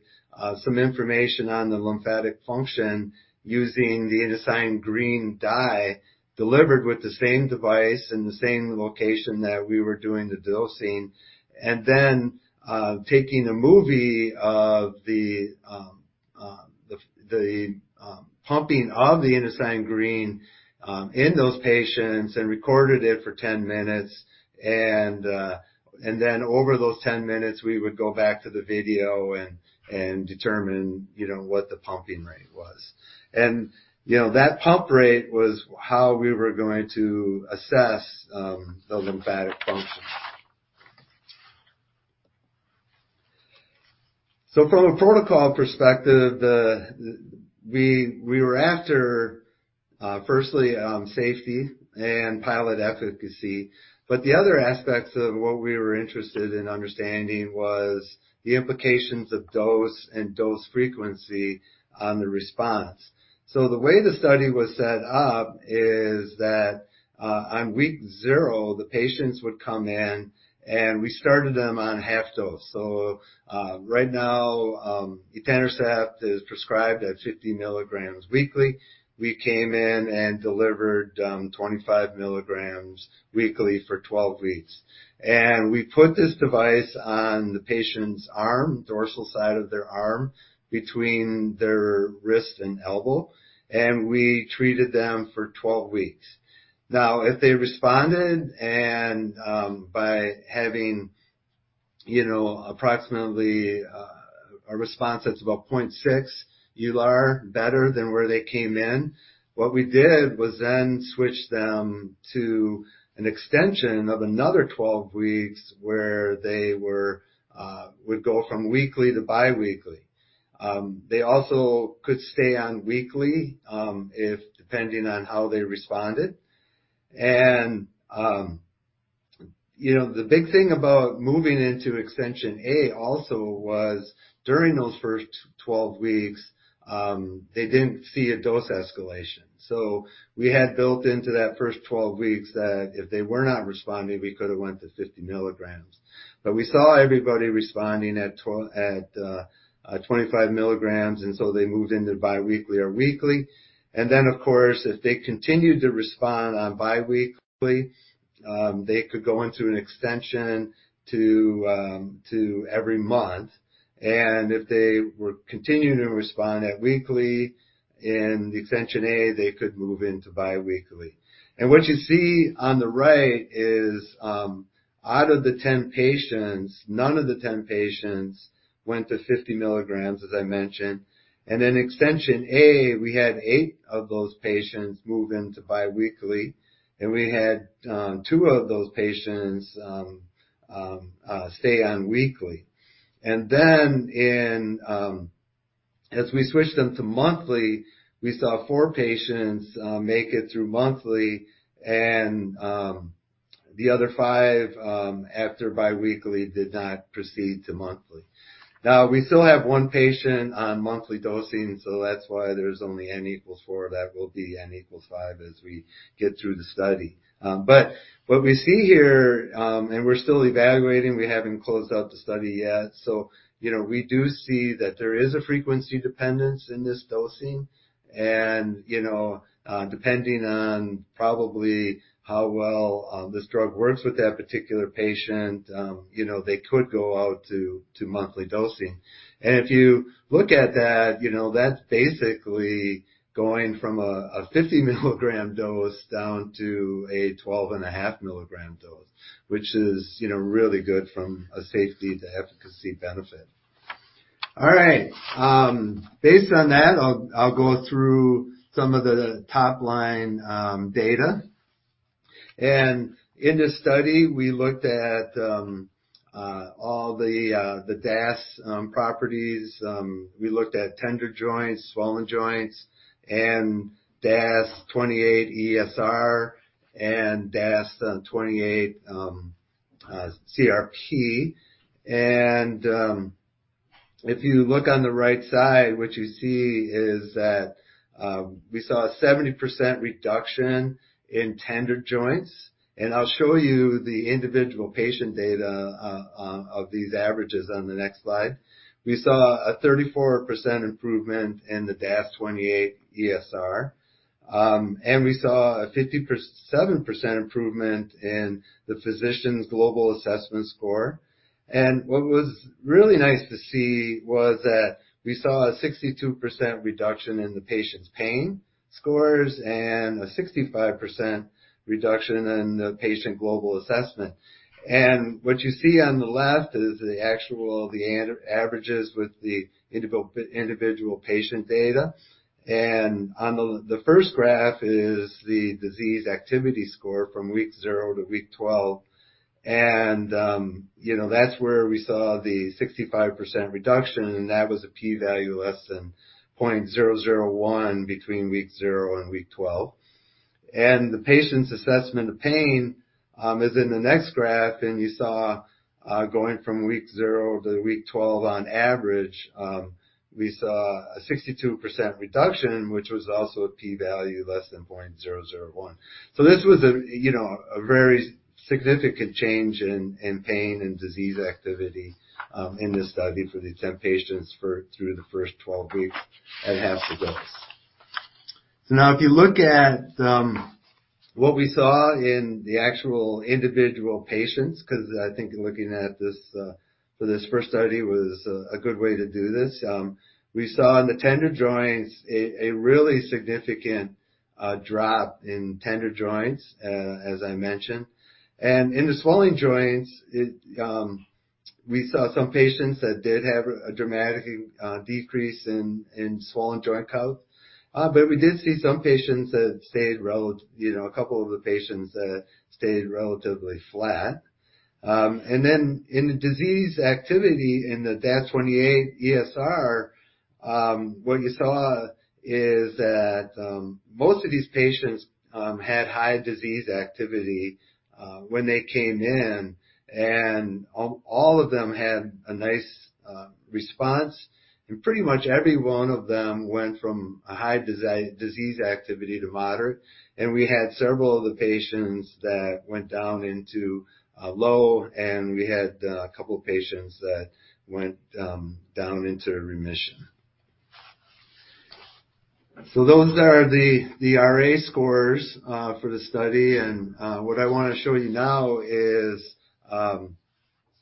some information on the lymphatic function using the indocyanine green dye delivered with the same device in the same location that we were doing the dosing. And then taking a movie of the pumping of the indocyanine green in those patients and recorded it for 10 minutes. And then over those 10 minutes, we would go back to the video and determine what the pumping rate was. And that pump rate was how we were going to assess the lymphatic function. So from a protocol perspective, we were after, firstly, safety and pilot efficacy. But the other aspects of what we were interested in understanding was the implications of dose and dose frequency on the response. So the way the study was set up is that on week zero, the patients would come in, and we started them on half dose. So right now, etanercept is prescribed at 50 milligrams weekly. We came in and delivered 25 milligrams weekly for 12 weeks. We put this device on the patient's arm, dorsal side of their arm between their wrist and elbow, and we treated them for 12 weeks. Now, if they responded by having approximately a response that's about 0.6 ULR better than where they came in, what we did was then switch them to an extension of another 12 weeks where they would go from weekly to biweekly. They also could stay on weekly depending on how they responded. The big thing about moving into extension A also was during those first 12 weeks, they didn't see a dose escalation. We had built into that first 12 weeks that if they were not responding, we could have went to 50 milligrams. But we saw everybody responding at 25 milligrams, and so they moved into biweekly or weekly. And then, of course, if they continued to respond on biweekly, they could go into an extension to every month. And if they were continuing to respond at weekly in extension A, they could move into biweekly. And what you see on the right is out of the 10 patients, none of the 10 patients went to 50 milligrams, as I mentioned. And in extension A, we had eight of those patients move into biweekly, and we had two of those patients stay on weekly. And then as we switched them to monthly, we saw four patients make it through monthly, and the other five after biweekly did not proceed to monthly. Now, we still have one patient on monthly dosing, so that's why there's only N equals 4. That will be N equals 5 as we get through the study. But what we see here, and we're still evaluating, we haven't closed out the study yet. So we do see that there is a frequency dependence in this dosing. And depending on probably how well this drug works with that particular patient, they could go out to monthly dosing. And if you look at that, that's basically going from a 50 milligram dose down to a 12.5 milligram dose, which is really good from a safety to efficacy benefit. All right. Based on that, I'll go through some of the top-line data. And in this study, we looked at all the DAS properties. We looked at tender joints, swollen joints, and DAS28-ESR and DAS28-CRP. And if you look on the right side, what you see is that we saw a 70% reduction in tender joints. And I'll show you the individual patient data of these averages on the next slide. We saw a 34% improvement in the DAS28-ESR. And we saw a 57% improvement in the physician's global assessment score. And what was really nice to see was that we saw a 62% reduction in the patient's pain scores and a 65% reduction in the patient global assessment. And what you see on the left is the actual averages with the individual patient data. And on the first graph is the disease activity score from week zero to week 12. And that's where we saw the 65% reduction, and that was a p-value less than 0.001 between week zero and week 12. And the patient's assessment of pain is in the next graph. You saw going from week zero to week 12, on average, we saw a 62% reduction, which was also a p-value less than 0.001. So this was a very significant change in pain and disease activity in this study for these 10 patients through the first 12 weeks and half the dose. So now, if you look at what we saw in the actual individual patients, because I think looking at this for this first study was a good way to do this, we saw in the tender joints a really significant drop in tender joints, as I mentioned. And in the swollen joints, we saw some patients that did have a dramatic decrease in swollen joint count. But we did see some patients that stayed, a couple of the patients that stayed relatively flat. And then in the disease activity in the DAS28-ESR, what you saw is that most of these patients had high disease activity when they came in. And all of them had a nice response. And pretty much every one of them went from a high disease activity to moderate. And we had several of the patients that went down into low, and we had a couple of patients that went down into remission. So those are the RA scores for the study. And what I want to show you now is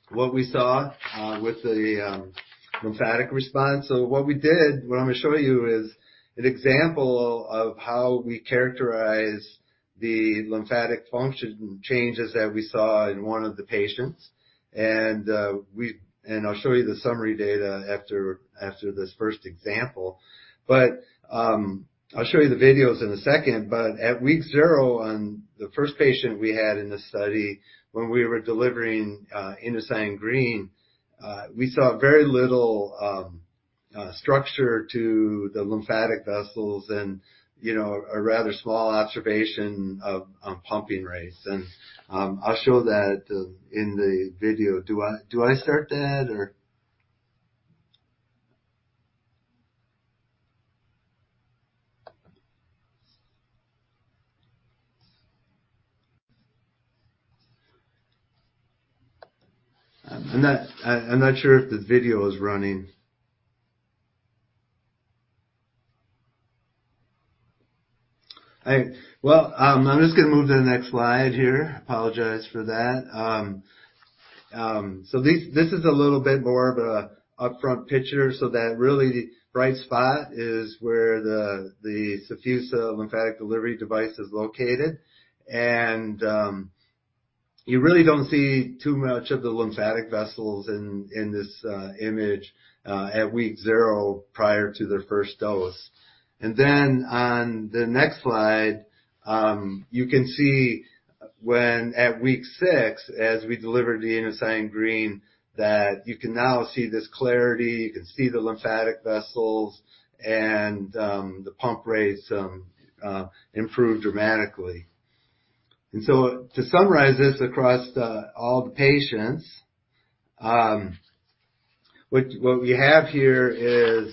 what we saw with the lymphatic response. So what we did, what I'm going to show you is an example of how we characterize the lymphatic function changes that we saw in one of the patients. And I'll show you the summary data after this first example. But I'll show you the videos in a second. But at week zero on the first patient we had in the study, when we were delivering indocyanine green, we saw very little structure to the lymphatic vessels and a rather small observation of pumping rates. And I'll show that in the video. Do I start that, or? I'm not sure if the video is running. All right. Well, I'm just going to move to the next slide here. I apologize for that. So this is a little bit more of an upfront picture. So that really bright spot is where the Sofusa lymphatic delivery device is located. And you really don't see too much of the lymphatic vessels in this image at week zero prior to their first dose. And then on the next slide, you can see when at week six, as we delivered the indocyanine green, that you can now see this clarity. You can see the lymphatic vessels and the pump rates improve dramatically. To summarize this across all the patients, what we have here is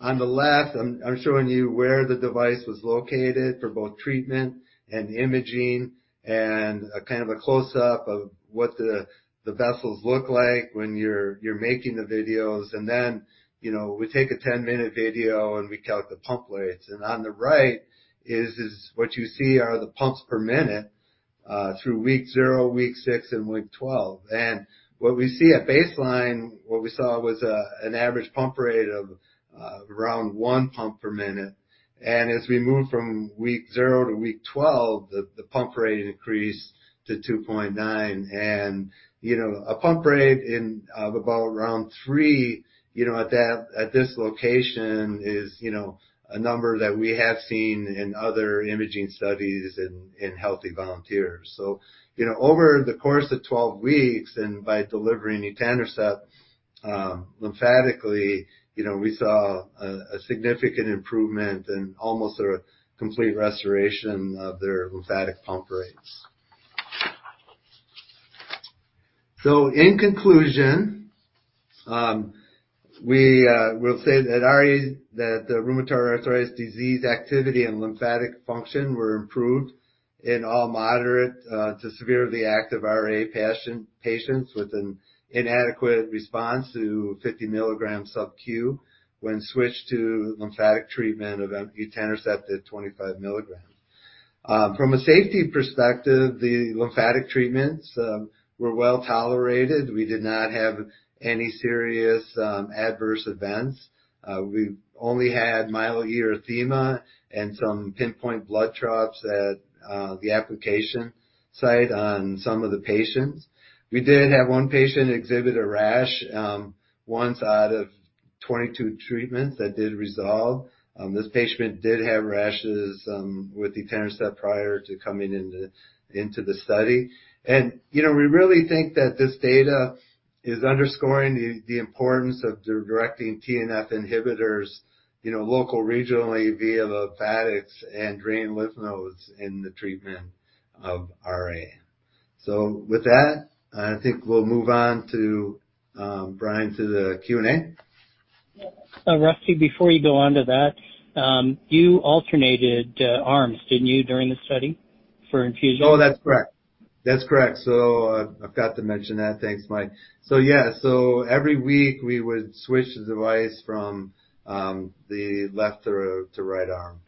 on the left, I'm showing you where the device was located for both treatment and imaging and kind of a close-up of what the vessels look like when you're making the videos. Then we take a 10-minute video and we count the pump rates. On the right is what you see are the pumps per minute through week zero, week six, and week 12. What we see at baseline, what we saw was an average pump rate of around one pump per minute. As we move from week zero to week 12, the pump rate increased to 2.9. A pump rate of about around three at this location is a number that we have seen in other imaging studies in healthy volunteers. Over the course of 12 weeks and by delivering etanercept lymphatically, we saw a significant improvement and almost a complete restoration of their lymphatic pump rates. In conclusion, we will say that the rheumatoid arthritis disease activity and lymphatic function were improved in all moderate to severely active RA patients with an inadequate response to 50 milligrams subcu when switched to lymphatic treatment of etanercept at 25 milligrams. From a safety perspective, the lymphatic treatments were well tolerated. We did not have any serious adverse events. We only had mild erythema and some pinpoint blood drops at the application site on some of the patients. We did have one patient exhibit a rash once out of 22 treatments that did resolve. This patient did have rashes with etanercept prior to coming into the study, and we really think that this data is underscoring the importance of directing TNF inhibitors local, regionally via lymphatics and drain lymph nodes in the treatment of RA, so with that, I think we'll move on to Brian to the Q&A. Rusty, before you go on to that, you alternated arms, didn't you, during the study for infusion? Oh, that's correct. That's correct. So I forgot to mention that. Thanks, Mike. So yeah, so every week, we would switch the device from the left to right arm.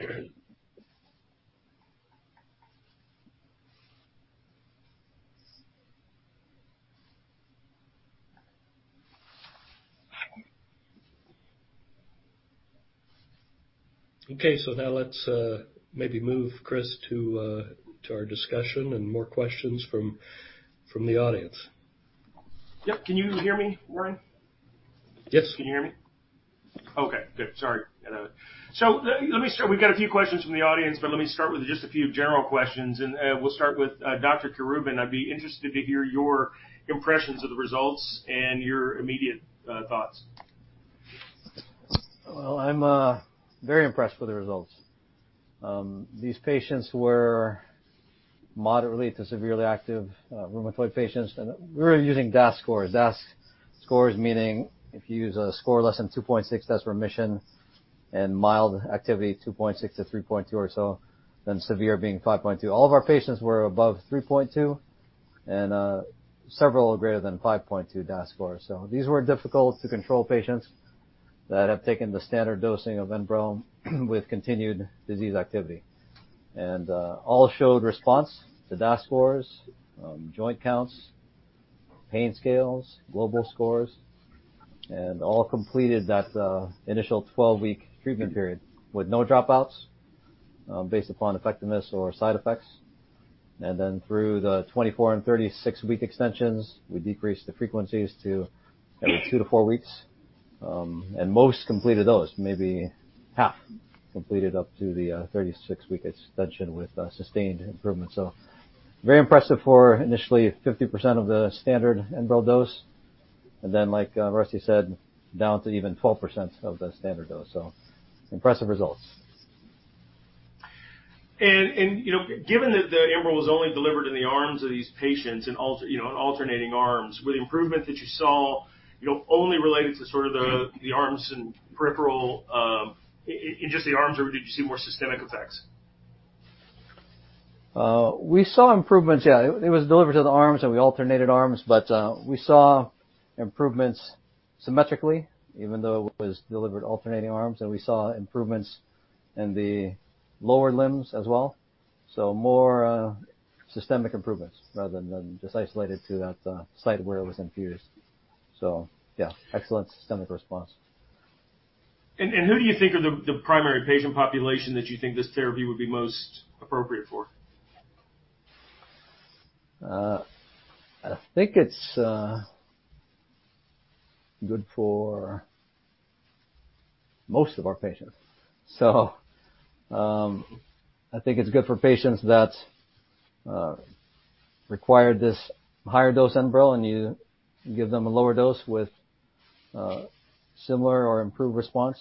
Okay. So now let's maybe move, Chris, to our discussion and more questions from the audience. Yep. Can you hear me, Warren? Yes. Can you hear me? Okay. Good. Sorry. So let me start. We've got a few questions from the audience, but let me start with just a few general questions. And we'll start with Dr. Querubin. I'd be interested to hear your impressions of the results and your immediate thoughts. I'm very impressed with the results. These patients were moderately to severely active rheumatoid patients. We were using DAS scores. DAS scores meaning if you use a score less than 2.6, that's remission, and mild activity 2.6-3.2 or so, then severe being 5.2. All of our patients were above 3.2 and several greater than 5.2 DAS scores. These were difficult-to-control patients that have taken the standard dosing of Enbrel with continued disease activity. All showed response to DAS scores, joint counts, pain scales, global scores, and all completed that initial 12-week treatment period with no dropouts based upon effectiveness or side effects. Then through the 24 and 36 week extensions, we decreased the frequencies to every two to four weeks. Most completed those, maybe half completed up to the 36-week extension with sustained improvement. So very impressive for initially 50% of the standard Enbrel dose. And then, like Rusty said, down to even 12% of the standard dose. So impressive results. Given that the Enbrel was only delivered in the arms of these patients in alternating arms, were the improvements that you saw only related to sort of the arms and peripheral in just the arms, or did you see more systemic effects? We saw improvements, yeah. It was delivered to the arms, and we alternated arms, but we saw improvements symmetrically, even though it was delivered alternating arms. And we saw improvements in the lower limbs as well. So more systemic improvements rather than just isolated to that site where it was infused. So yeah, excellent systemic response. Who do you think are the primary patient population that you think this therapy would be most appropriate for? I think it's good for most of our patients. So I think it's good for patients that required this higher dose Enbrel, and you give them a lower dose with similar or improved response.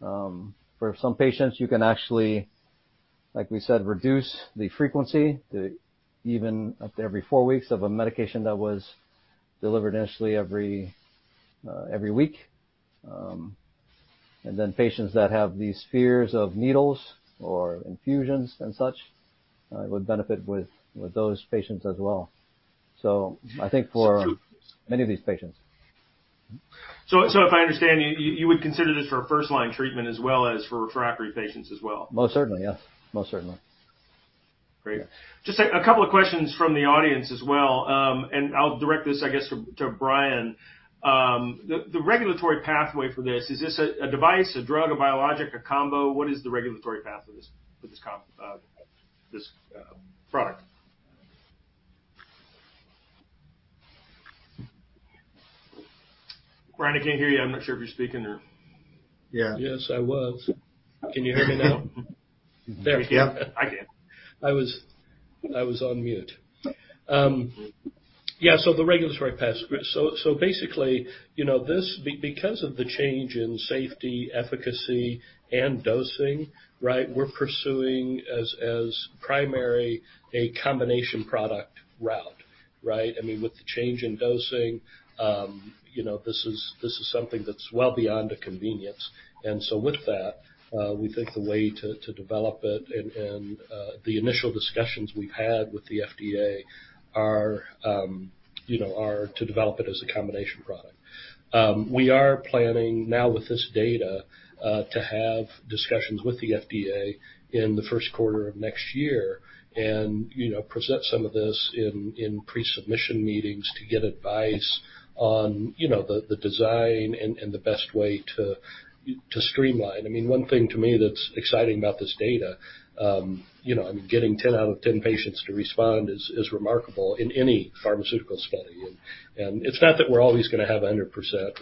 For some patients, you can actually, like we said, reduce the frequency to even up to every four weeks of a medication that was delivered initially every week. And then patients that have these fears of needles or infusions and such would benefit with those patients as well. So I think for many of these patients. So if I understand, you would consider this for first-line treatment as well as for refractory patients as well? Most certainly, yes. Most certainly. Great. Just a couple of questions from the audience as well. And I'll direct this, I guess, to Brian. The regulatory pathway for this, is this a device, a drug, a biologic, a combo? What is the regulatory path for this product? Brian, I can't hear you. I'm not sure if you're speaking or. Yeah. Yes, I was. Can you hear me now? There we go. Yep. I can. I was on mute. Yeah. So the regulatory path. So basically, because of the change in safety, efficacy, and dosing, right, we're pursuing as primary a combination product route, right? I mean, with the change in dosing, this is something that's well beyond a convenience. And so with that, we think the way to develop it and the initial discussions we've had with the FDA are to develop it as a combination product. We are planning now with this data to have discussions with the FDA in the first quarter of next year and present some of this in pre-submission meetings to get advice on the design and the best way to streamline. I mean, one thing to me that's exciting about this data, I mean, getting 10 out of 10 patients to respond is remarkable in any pharmaceutical study. And it's not that we're always going to have 100%,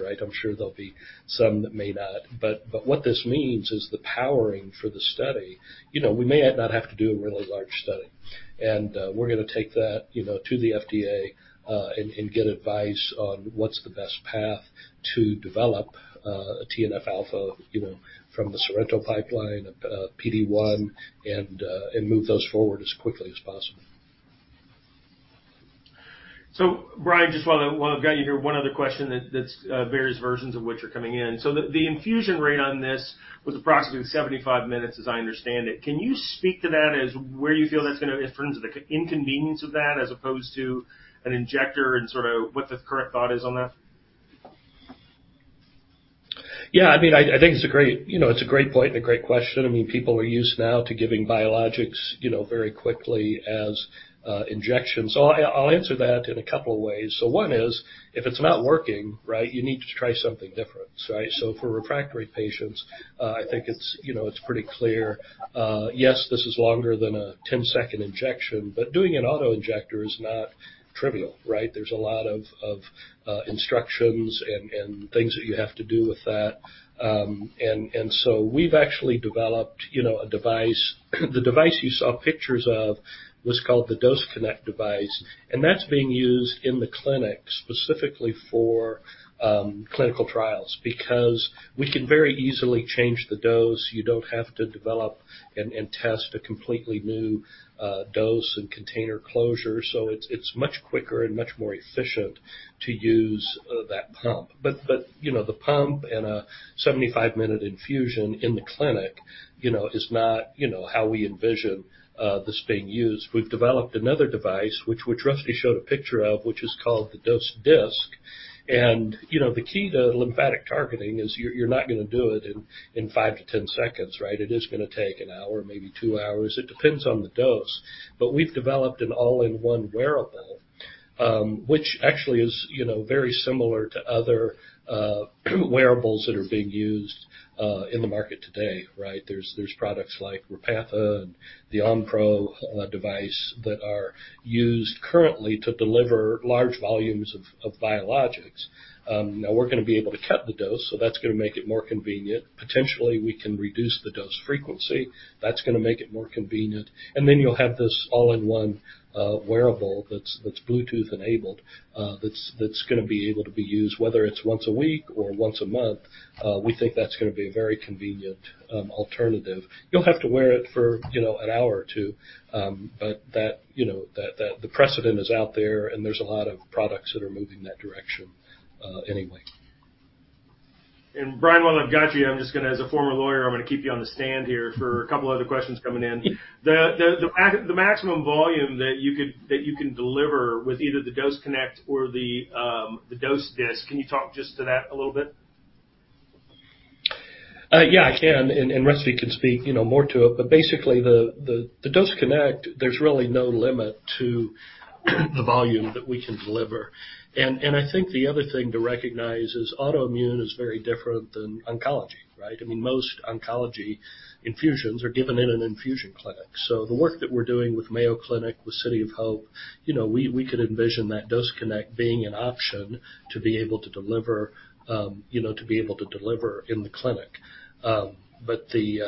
right? I'm sure there'll be some that may not. But what this means is the powering for the study. We may not have to do a really large study. And we're going to take that to the FDA and get advice on what's the best path to develop TNF-alpha from the Sorrento pipeline, PD-1, and move those forward as quickly as possible. So Brian, just while I've got you here, one other question that's various versions of what you're coming in. So the infusion rate on this was approximately 75 minutes, as I understand it. Can you speak to that as where you feel that's going to in terms of the inconvenience of that as opposed to an injector and sort of what the current thought is on that? Yeah. I mean, I think it's a great point and a great question. I mean, people are used now to giving biologics very quickly as injections. So I'll answer that in a couple of ways. So one is, if it's not working, right, you need to try something different, right? So for refractory patients, I think it's pretty clear. Yes, this is longer than a 10-second injection, but doing an autoinjector is not trivial, right? There's a lot of instructions and things that you have to do with that. And so we've actually developed a device. The device you saw pictures of was called the DoseConnect device. And that's being used in the clinic specifically for clinical trials because we can very easily change the dose. You don't have to develop and test a completely new dose and container closure. So it's much quicker and much more efficient to use that pump. But the pump and a 75-minute infusion in the clinic is not how we envision this being used. We've developed another device, which Rusty showed a picture of, which is called the DoseDisc. And the key to lymphatic targeting is you're not going to do it in five to 10 seconds, right? It is going to take an hour, maybe two hours. It depends on the dose. But we've developed an all-in-one wearable, which actually is very similar to other wearables that are being used in the market today, right? There's products like Repatha and the Onpro device that are used currently to deliver large volumes of biologics. Now, we're going to be able to cut the dose, so that's going to make it more convenient. Potentially, we can reduce the dose frequency. That's going to make it more convenient, and then you'll have this all-in-one wearable that's Bluetooth-enabled that's going to be able to be used, whether it's once a week or once a month. We think that's going to be a very convenient alternative. You'll have to wear it for an hour or two, but the precedent is out there, and there's a lot of products that are moving that direction anyway. Brian, while I've got you, I'm just going to, as a former lawyer, I'm going to keep you on the stand here for a couple of other questions coming in. The maximum volume that you can deliver with either the DoseConnect or the DoseDisc, can you talk just to that a little bit? Yeah, I can. And Rusty can speak more to it. But basically, the DoseConnect, there's really no limit to the volume that we can deliver. And I think the other thing to recognize is autoimmune is very different than oncology, right? I mean, most oncology infusions are given in an infusion clinic. So the work that we're doing with Mayo Clinic, with City of Hope, we could envision that DoseConnect being an option to be able to deliver in the clinic. But for the,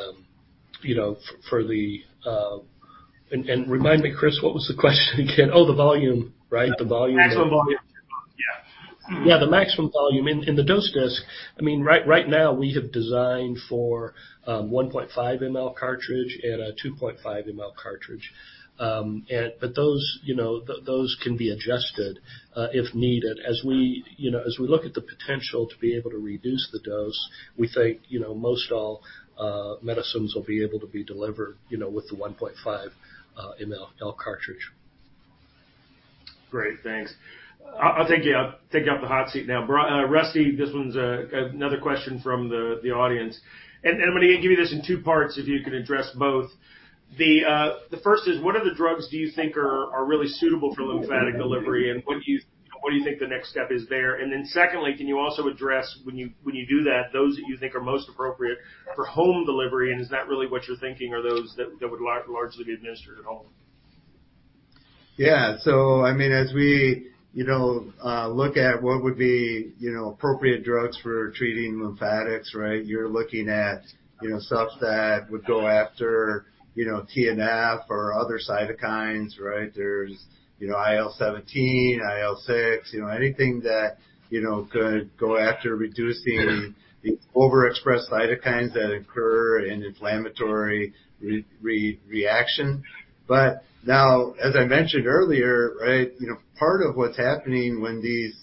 and remind me, Chris, what was the question again? Oh, the volume, right? The volume. Maximum volume. Yeah. Yeah, the maximum volume. And the DoseDisc, I mean, right now, we have designed for a 1.5 ml cartridge and a 2.5 ml cartridge. But those can be adjusted if needed. As we look at the potential to be able to reduce the dose, we think most all medicines will be able to be delivered with the 1.5 ml cartridge. Great. Thanks. I'll take you out the hot seat now. Rusty, this one's another question from the audience. And I'm going to give you this in two parts if you can address both. The first is, what are the drugs do you think are really suitable for lymphatic delivery, and what do you think the next step is there? And then secondly, can you also address, when you do that, those that you think are most appropriate for home delivery? And is that really what you're thinking, or those that would largely be administered at home? Yeah. So I mean, as we look at what would be appropriate drugs for treating lymphatics, right, you're looking at stuff that would go after TNF or other cytokines, right? There's IL-17, IL-6, anything that could go after reducing the overexpressed cytokines that occur in inflammatory reaction. But now, as I mentioned earlier, right, part of what's happening when these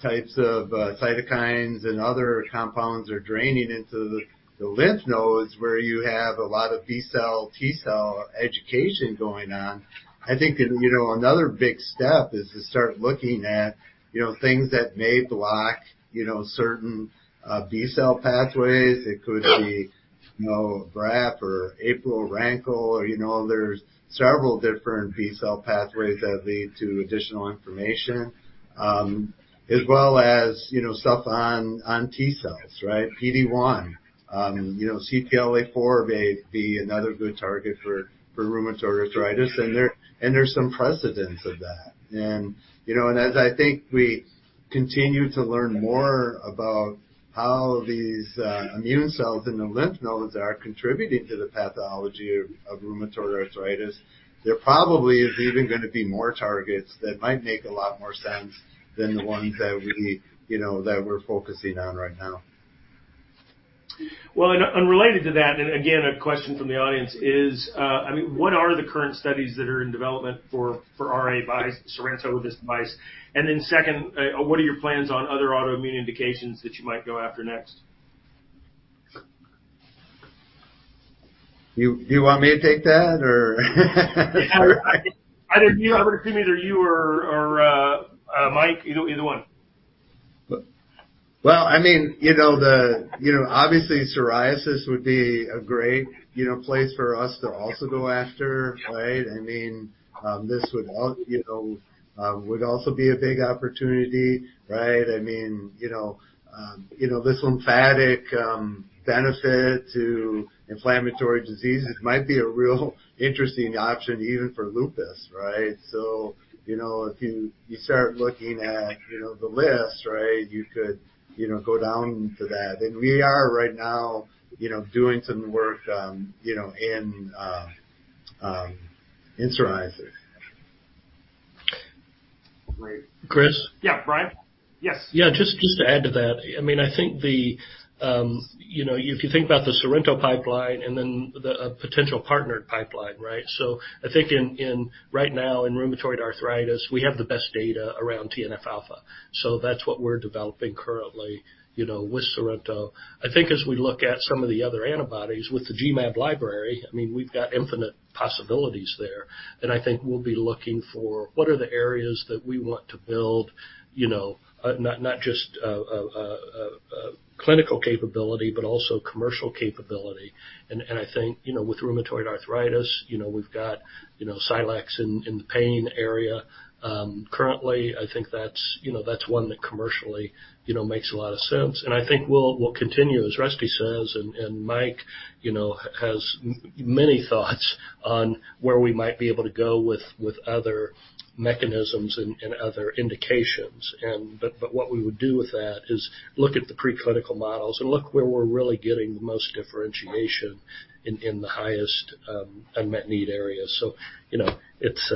types of cytokines and other compounds are draining into the lymph nodes where you have a lot of B-cell, T-cell education going on, I think another big step is to start looking at things that may block certain B-cell pathways. It could be BAFF or APRIL or RANKL. There's several different B-cell pathways that lead to additional information, as well as stuff on T-cells, right? PD-1, CTLA-4 may be another good target for rheumatoid arthritis. And there's some precedent of that. As I think we continue to learn more about how these immune cells in the lymph nodes are contributing to the pathology of rheumatoid arthritis, there probably is even going to be more targets that might make a lot more sense than the ones that we're focusing on right now. Well, and related to that, and again, a question from the audience is, I mean, what are the current studies that are in development for RA by Sorrento with this device? And then second, what are your plans on other autoimmune indications that you might go after next? Do you want me to take that, or? Either you, I would assume either you or Mike, either one. I mean, obviously, psoriasis would be a great place for us to also go after, right? I mean, this would also be a big opportunity, right? I mean, this lymphatic benefit to inflammatory diseases might be a real interesting option even for lupus, right? So if you start looking at the list, right, you could go down to that. And we are right now doing some work in psoriasis. Great. Chris? Yeah, Brian? Yes. Yeah, just to add to that, I mean, I think if you think about the Sorrento pipeline and then the potential partnered pipeline, right? So I think right now in rheumatoid arthritis, we have the best data around TNF-alpha. So that's what we're developing currently with Sorrento. I think as we look at some of the other antibodies with the G-MAB library, I mean, we've got infinite possibilities there. And I think we'll be looking for what are the areas that we want to build, not just clinical capability, but also commercial capability. And I think with rheumatoid arthritis, we've got Scilex in the pain area. Currently, I think that's one that commercially makes a lot of sense. And I think we'll continue, as Rusty says and Mike has many thoughts on where we might be able to go with other mechanisms and other indications. But what we would do with that is look at the preclinical models and look where we're really getting the most differentiation in the highest unmet need areas. So it's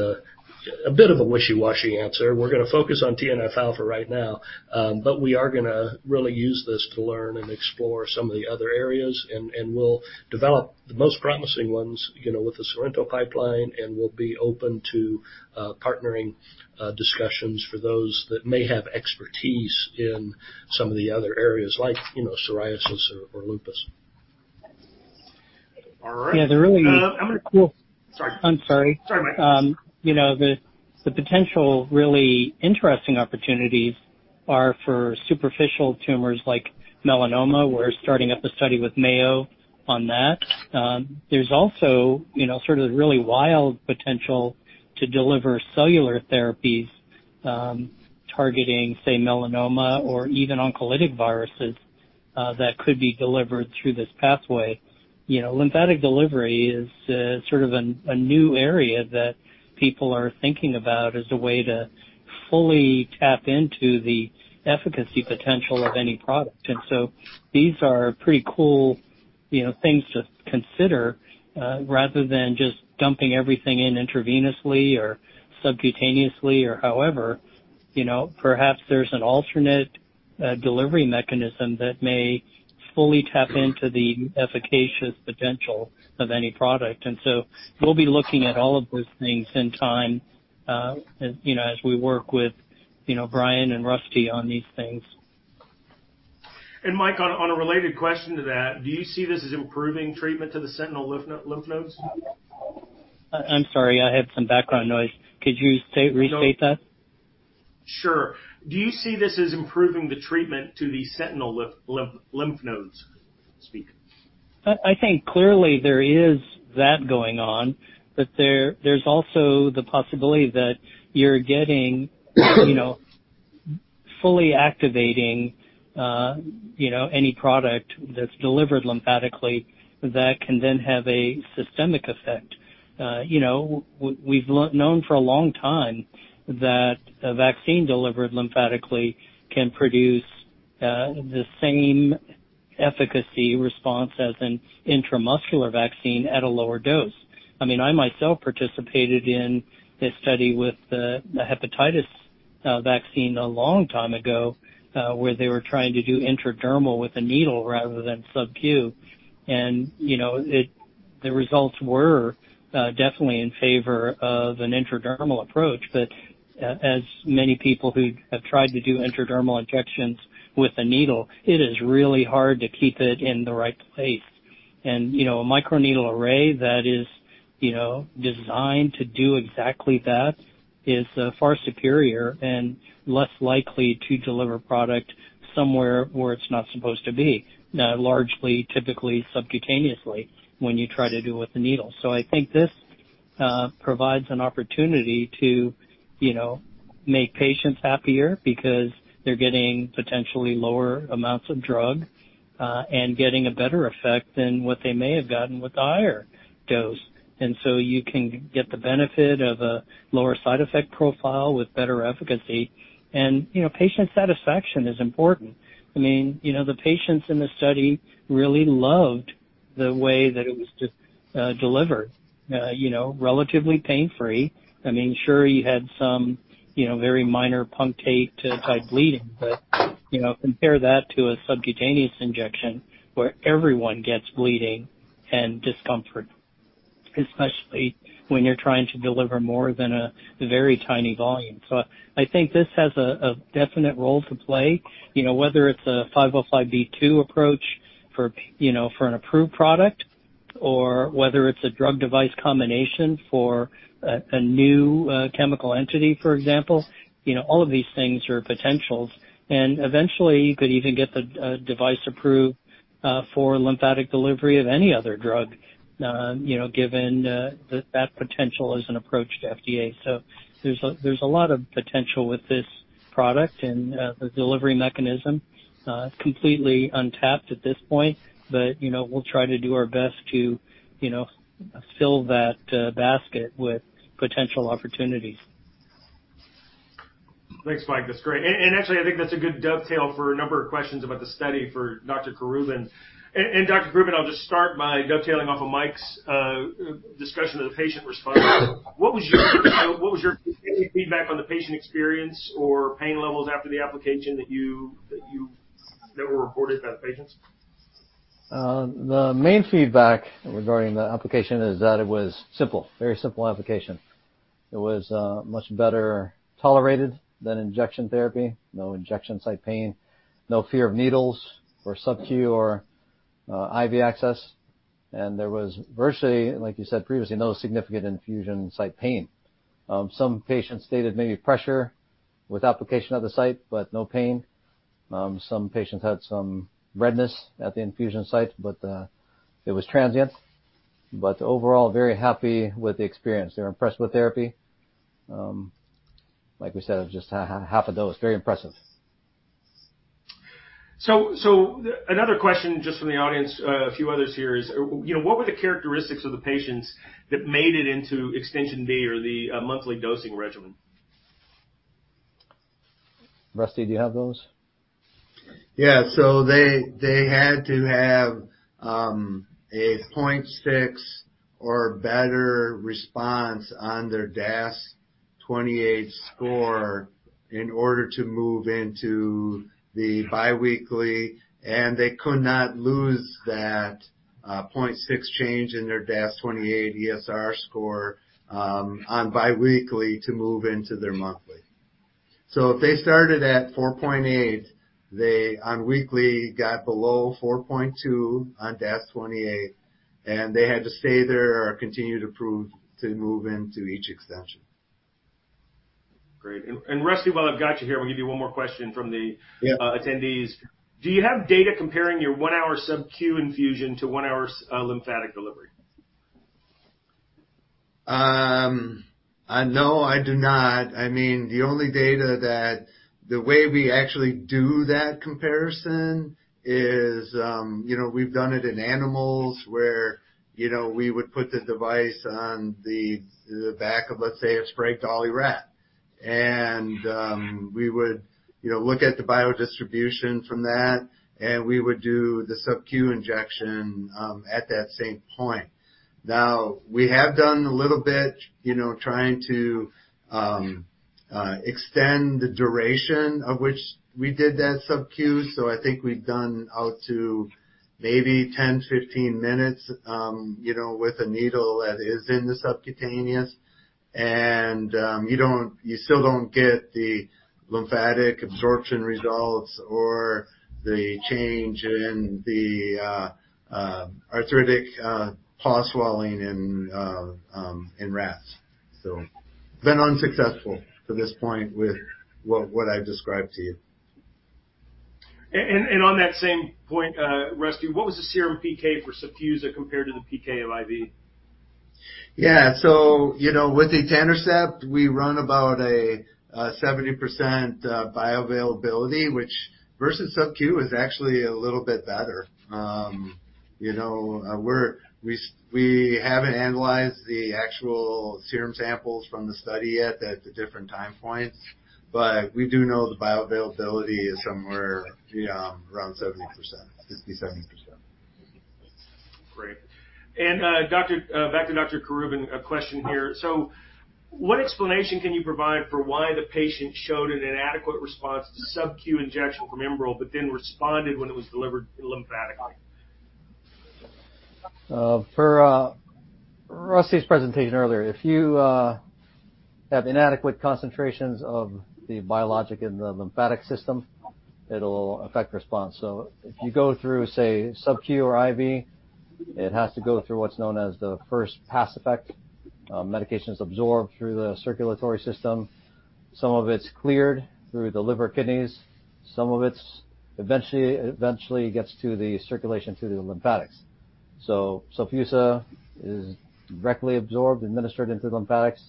a bit of a wishy-washy answer. We're going to focus on TNF-alpha right now, but we are going to really use this to learn and explore some of the other areas. And we'll develop the most promising ones with the Sorrento pipeline, and we'll be open to partnering discussions for those that may have expertise in some of the other areas like psoriasis or lupus. All right. Yeah, the really. I'm going to. Sorry. I'm sorry. Sorry, Mike. The potential really interesting opportunities are for superficial tumors like melanoma. We're starting up a study with Mayo on that. There's also sort of really wild potential to deliver cellular therapies targeting, say, melanoma or even oncolytic viruses that could be delivered through this pathway. Lymphatic delivery is sort of a new area that people are thinking about as a way to fully tap into the efficacy potential of any product, and so these are pretty cool things to consider rather than just dumping everything in intravenously or subcutaneously or however. Perhaps there's an alternate delivery mechanism that may fully tap into the efficacious potential of any product, and so we'll be looking at all of those things in time as we work with Brian and Rusty on these things, and Mike, on a related question to that, do you see this as improving treatment to the sentinel lymph nodes? I'm sorry. I had some background noise. Could you restate that? Sure. Do you see this as improving the treatment to the sentinel lymph nodes? I think clearly there is that going on, but there's also the possibility that you're getting fully activating any product that's delivered lymphatically that can then have a systemic effect. We've known for a long time that a vaccine delivered lymphatically can produce the same efficacy response as an intramuscular vaccine at a lower dose. I mean, I myself participated in this study with the hepatitis vaccine a long time ago where they were trying to do intradermal with a needle rather than sub-Q, and the results were definitely in favor of an intradermal approach, but as many people who have tried to do intradermal injections with a needle, it is really hard to keep it in the right place. And a microneedle array that is designed to do exactly that is far superior and less likely to deliver product somewhere where it's not supposed to be, largely typically subcutaneously when you try to do it with a needle. So I think this provides an opportunity to make patients happier because they're getting potentially lower amounts of drug and getting a better effect than what they may have gotten with the higher dose. And so you can get the benefit of a lower side effect profile with better efficacy. And patient satisfaction is important. I mean, the patients in the study really loved the way that it was delivered, relatively pain-free. I mean, sure, you had some very minor punctate-type bleeding, but compare that to a subcutaneous injection where everyone gets bleeding and discomfort, especially when you're trying to deliver more than a very tiny volume. So I think this has a definite role to play, whether it's a 505(b)(2) approach for an approved product or whether it's a drug-device combination for a new chemical entity, for example. All of these things are potentials. And eventually, you could even get the device approved for lymphatic delivery of any other drug given that potential as an approach to FDA. So there's a lot of potential with this product and the delivery mechanism completely untapped at this point, but we'll try to do our best to fill that basket with potential opportunities. Thanks, Mike. That's great. And actually, I think that's a good dovetail for a number of questions about the study for Dr. Querubin. And Dr. Querubin, I'll just start by dovetailing off of Mike's discussion of the patient response. What was your feedback on the patient experience or pain levels after the application that were reported by the patients? The main feedback regarding the application is that it was simple, very simple application. It was much better tolerated than injection therapy. No injection site pain, no fear of needles or sub-Q or IV access, and there was virtually, like you said previously, no significant infusion site pain. Some patients stated maybe pressure with application of the site, but no pain. Some patients had some redness at the infusion site, but it was transient, but overall, very happy with the experience. They were impressed with therapy. Like we said, it was just half a dose. Very impressive. So another question just from the audience, a few others here is, what were the characteristics of the patients that made it into Extension D or the monthly dosing regimen? Rusty, do you have those? Yeah. So they had to have a 0.6 or better response on their DAS28 score in order to move into the biweekly. And they could not lose that 0.6 change in their DAS28-ESR score on biweekly to move into their monthly. So if they started at 4.8, they on weekly got below 4.2 on DAS28, and they had to stay there or continue to prove to move into each extension. Great. And Rusty, while I've got you here, I'm going to give you one more question from the attendees. Do you have data comparing your one-hour sub-Q infusion to one-hour lymphatic delivery? No, I do not. I mean, the only data that the way we actually do that comparison is we've done it in animals where we would put the device on the back of, let's say, a Sprague-Dawley rat. And we would look at the biodistribution from that, and we would do the sub-Q injection at that same point. Now, we have done a little bit trying to extend the duration of which we did that sub-Q. So I think we've done out to maybe 10-15 minutes with a needle that is in the subcutaneous. And you still don't get the lymphatic absorption results or the change in the arthritic paw swelling in rats. So been unsuccessful to this point with what I've described to you. And on that same point, Rusty, what was the serum PK for Sofusa compared to the PK of IV? So with the etanercept, we run about a 70% bioavailability, which, versus sub-Q, is actually a little bit better. We haven't analyzed the actual serum samples from the study yet at the different time points, but we do know the bioavailability is somewhere around 70%, 60%-70%. Great. And back to Dr. Querubin, a question here. So what explanation can you provide for why the patient showed an inadequate response to sub-Q injection from Enbrel, but then responded when it was delivered lymphatically? Per Rusty's presentation earlier, if you have inadequate concentrations of the biologic in the lymphatic system, it'll affect response. So if you go through, say, sub-Q or IV, it has to go through what's known as the first pass effect. Medications absorb through the circulatory system. Some of it's cleared through the liver kidneys. Some of it eventually gets to the circulation to the lymphatics. So Sofusa is directly absorbed, administered into the lymphatics,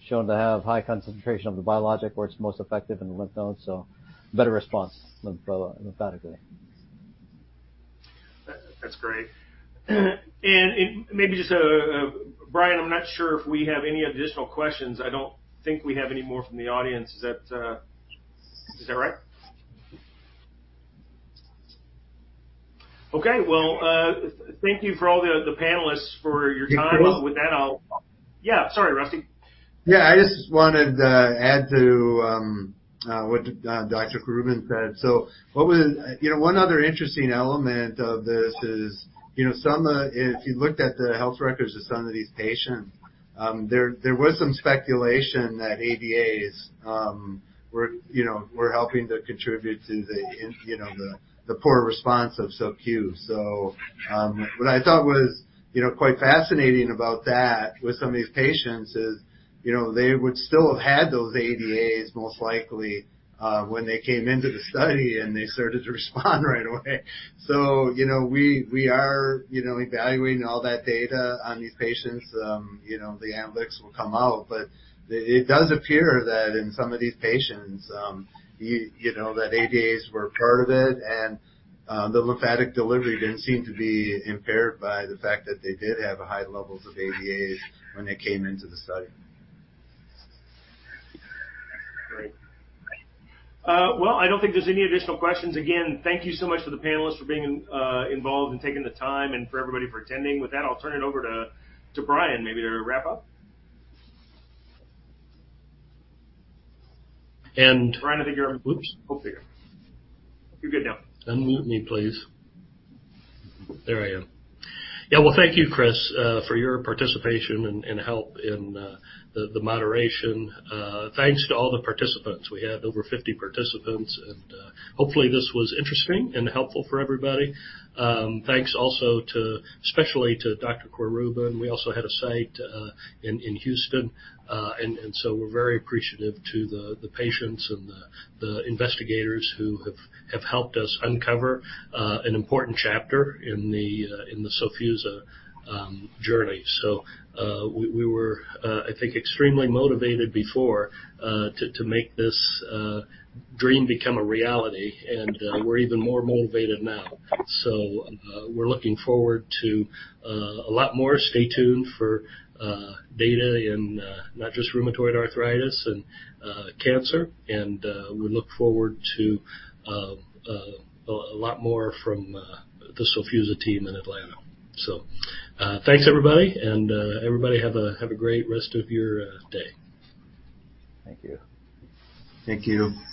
shown to have high concentration of the biologic where it's most effective in the lymph nodes. So better response lymphatically. That's great. And maybe just, Brian, I'm not sure if we have any additional questions. I don't think we have any more from the audience. Is that right? Okay. Well, thank you for all the panelists for your time. With that, I'll, yeah. Sorry, Rusty. Yeah. I just wanted to add to what Dr. Querubin said. So one other interesting element of this is if you looked at the health records of some of these patients, there was some speculation that ADAs were helping to contribute to the poor response of sub-Q. So what I thought was quite fascinating about that with some of these patients is they would still have had those ADAs most likely when they came into the study and they started to respond right away. So we are evaluating all that data on these patients. The analytics will come out, but it does appear that in some of these patients, that ADAs were part of it, and the lymphatic delivery didn't seem to be impaired by the fact that they did have high levels of ADAs when they came into the study. Great. Well, I don't think there's any additional questions. Again, thank you so much for the panelists for being involved and taking the time and for everybody for attending. With that, I'll turn it over to Brian maybe to wrap up, and Brian, I think you're on. Oops. Hope you're good now. Unmute me, please. There I am. Yeah. Well, thank you, Chris, for your participation and help in the moderation. Thanks to all the participants. We had over 50 participants, and hopefully this was interesting and helpful for everybody. Thanks also especially to Dr. Querubin. We also had a site in Houston, and so we're very appreciative to the patients and the investigators who have helped us uncover an important chapter in the Sofusa journey. So we were, I think, extremely motivated before to make this dream become a reality, and we're even more motivated now. So we're looking forward to a lot more. Stay tuned for data in not just rheumatoid arthritis and cancer, and we look forward to a lot more from the Sofusa team in Atlanta. So thanks, everybody, and everybody have a great rest of your day. Thank you. Thank you.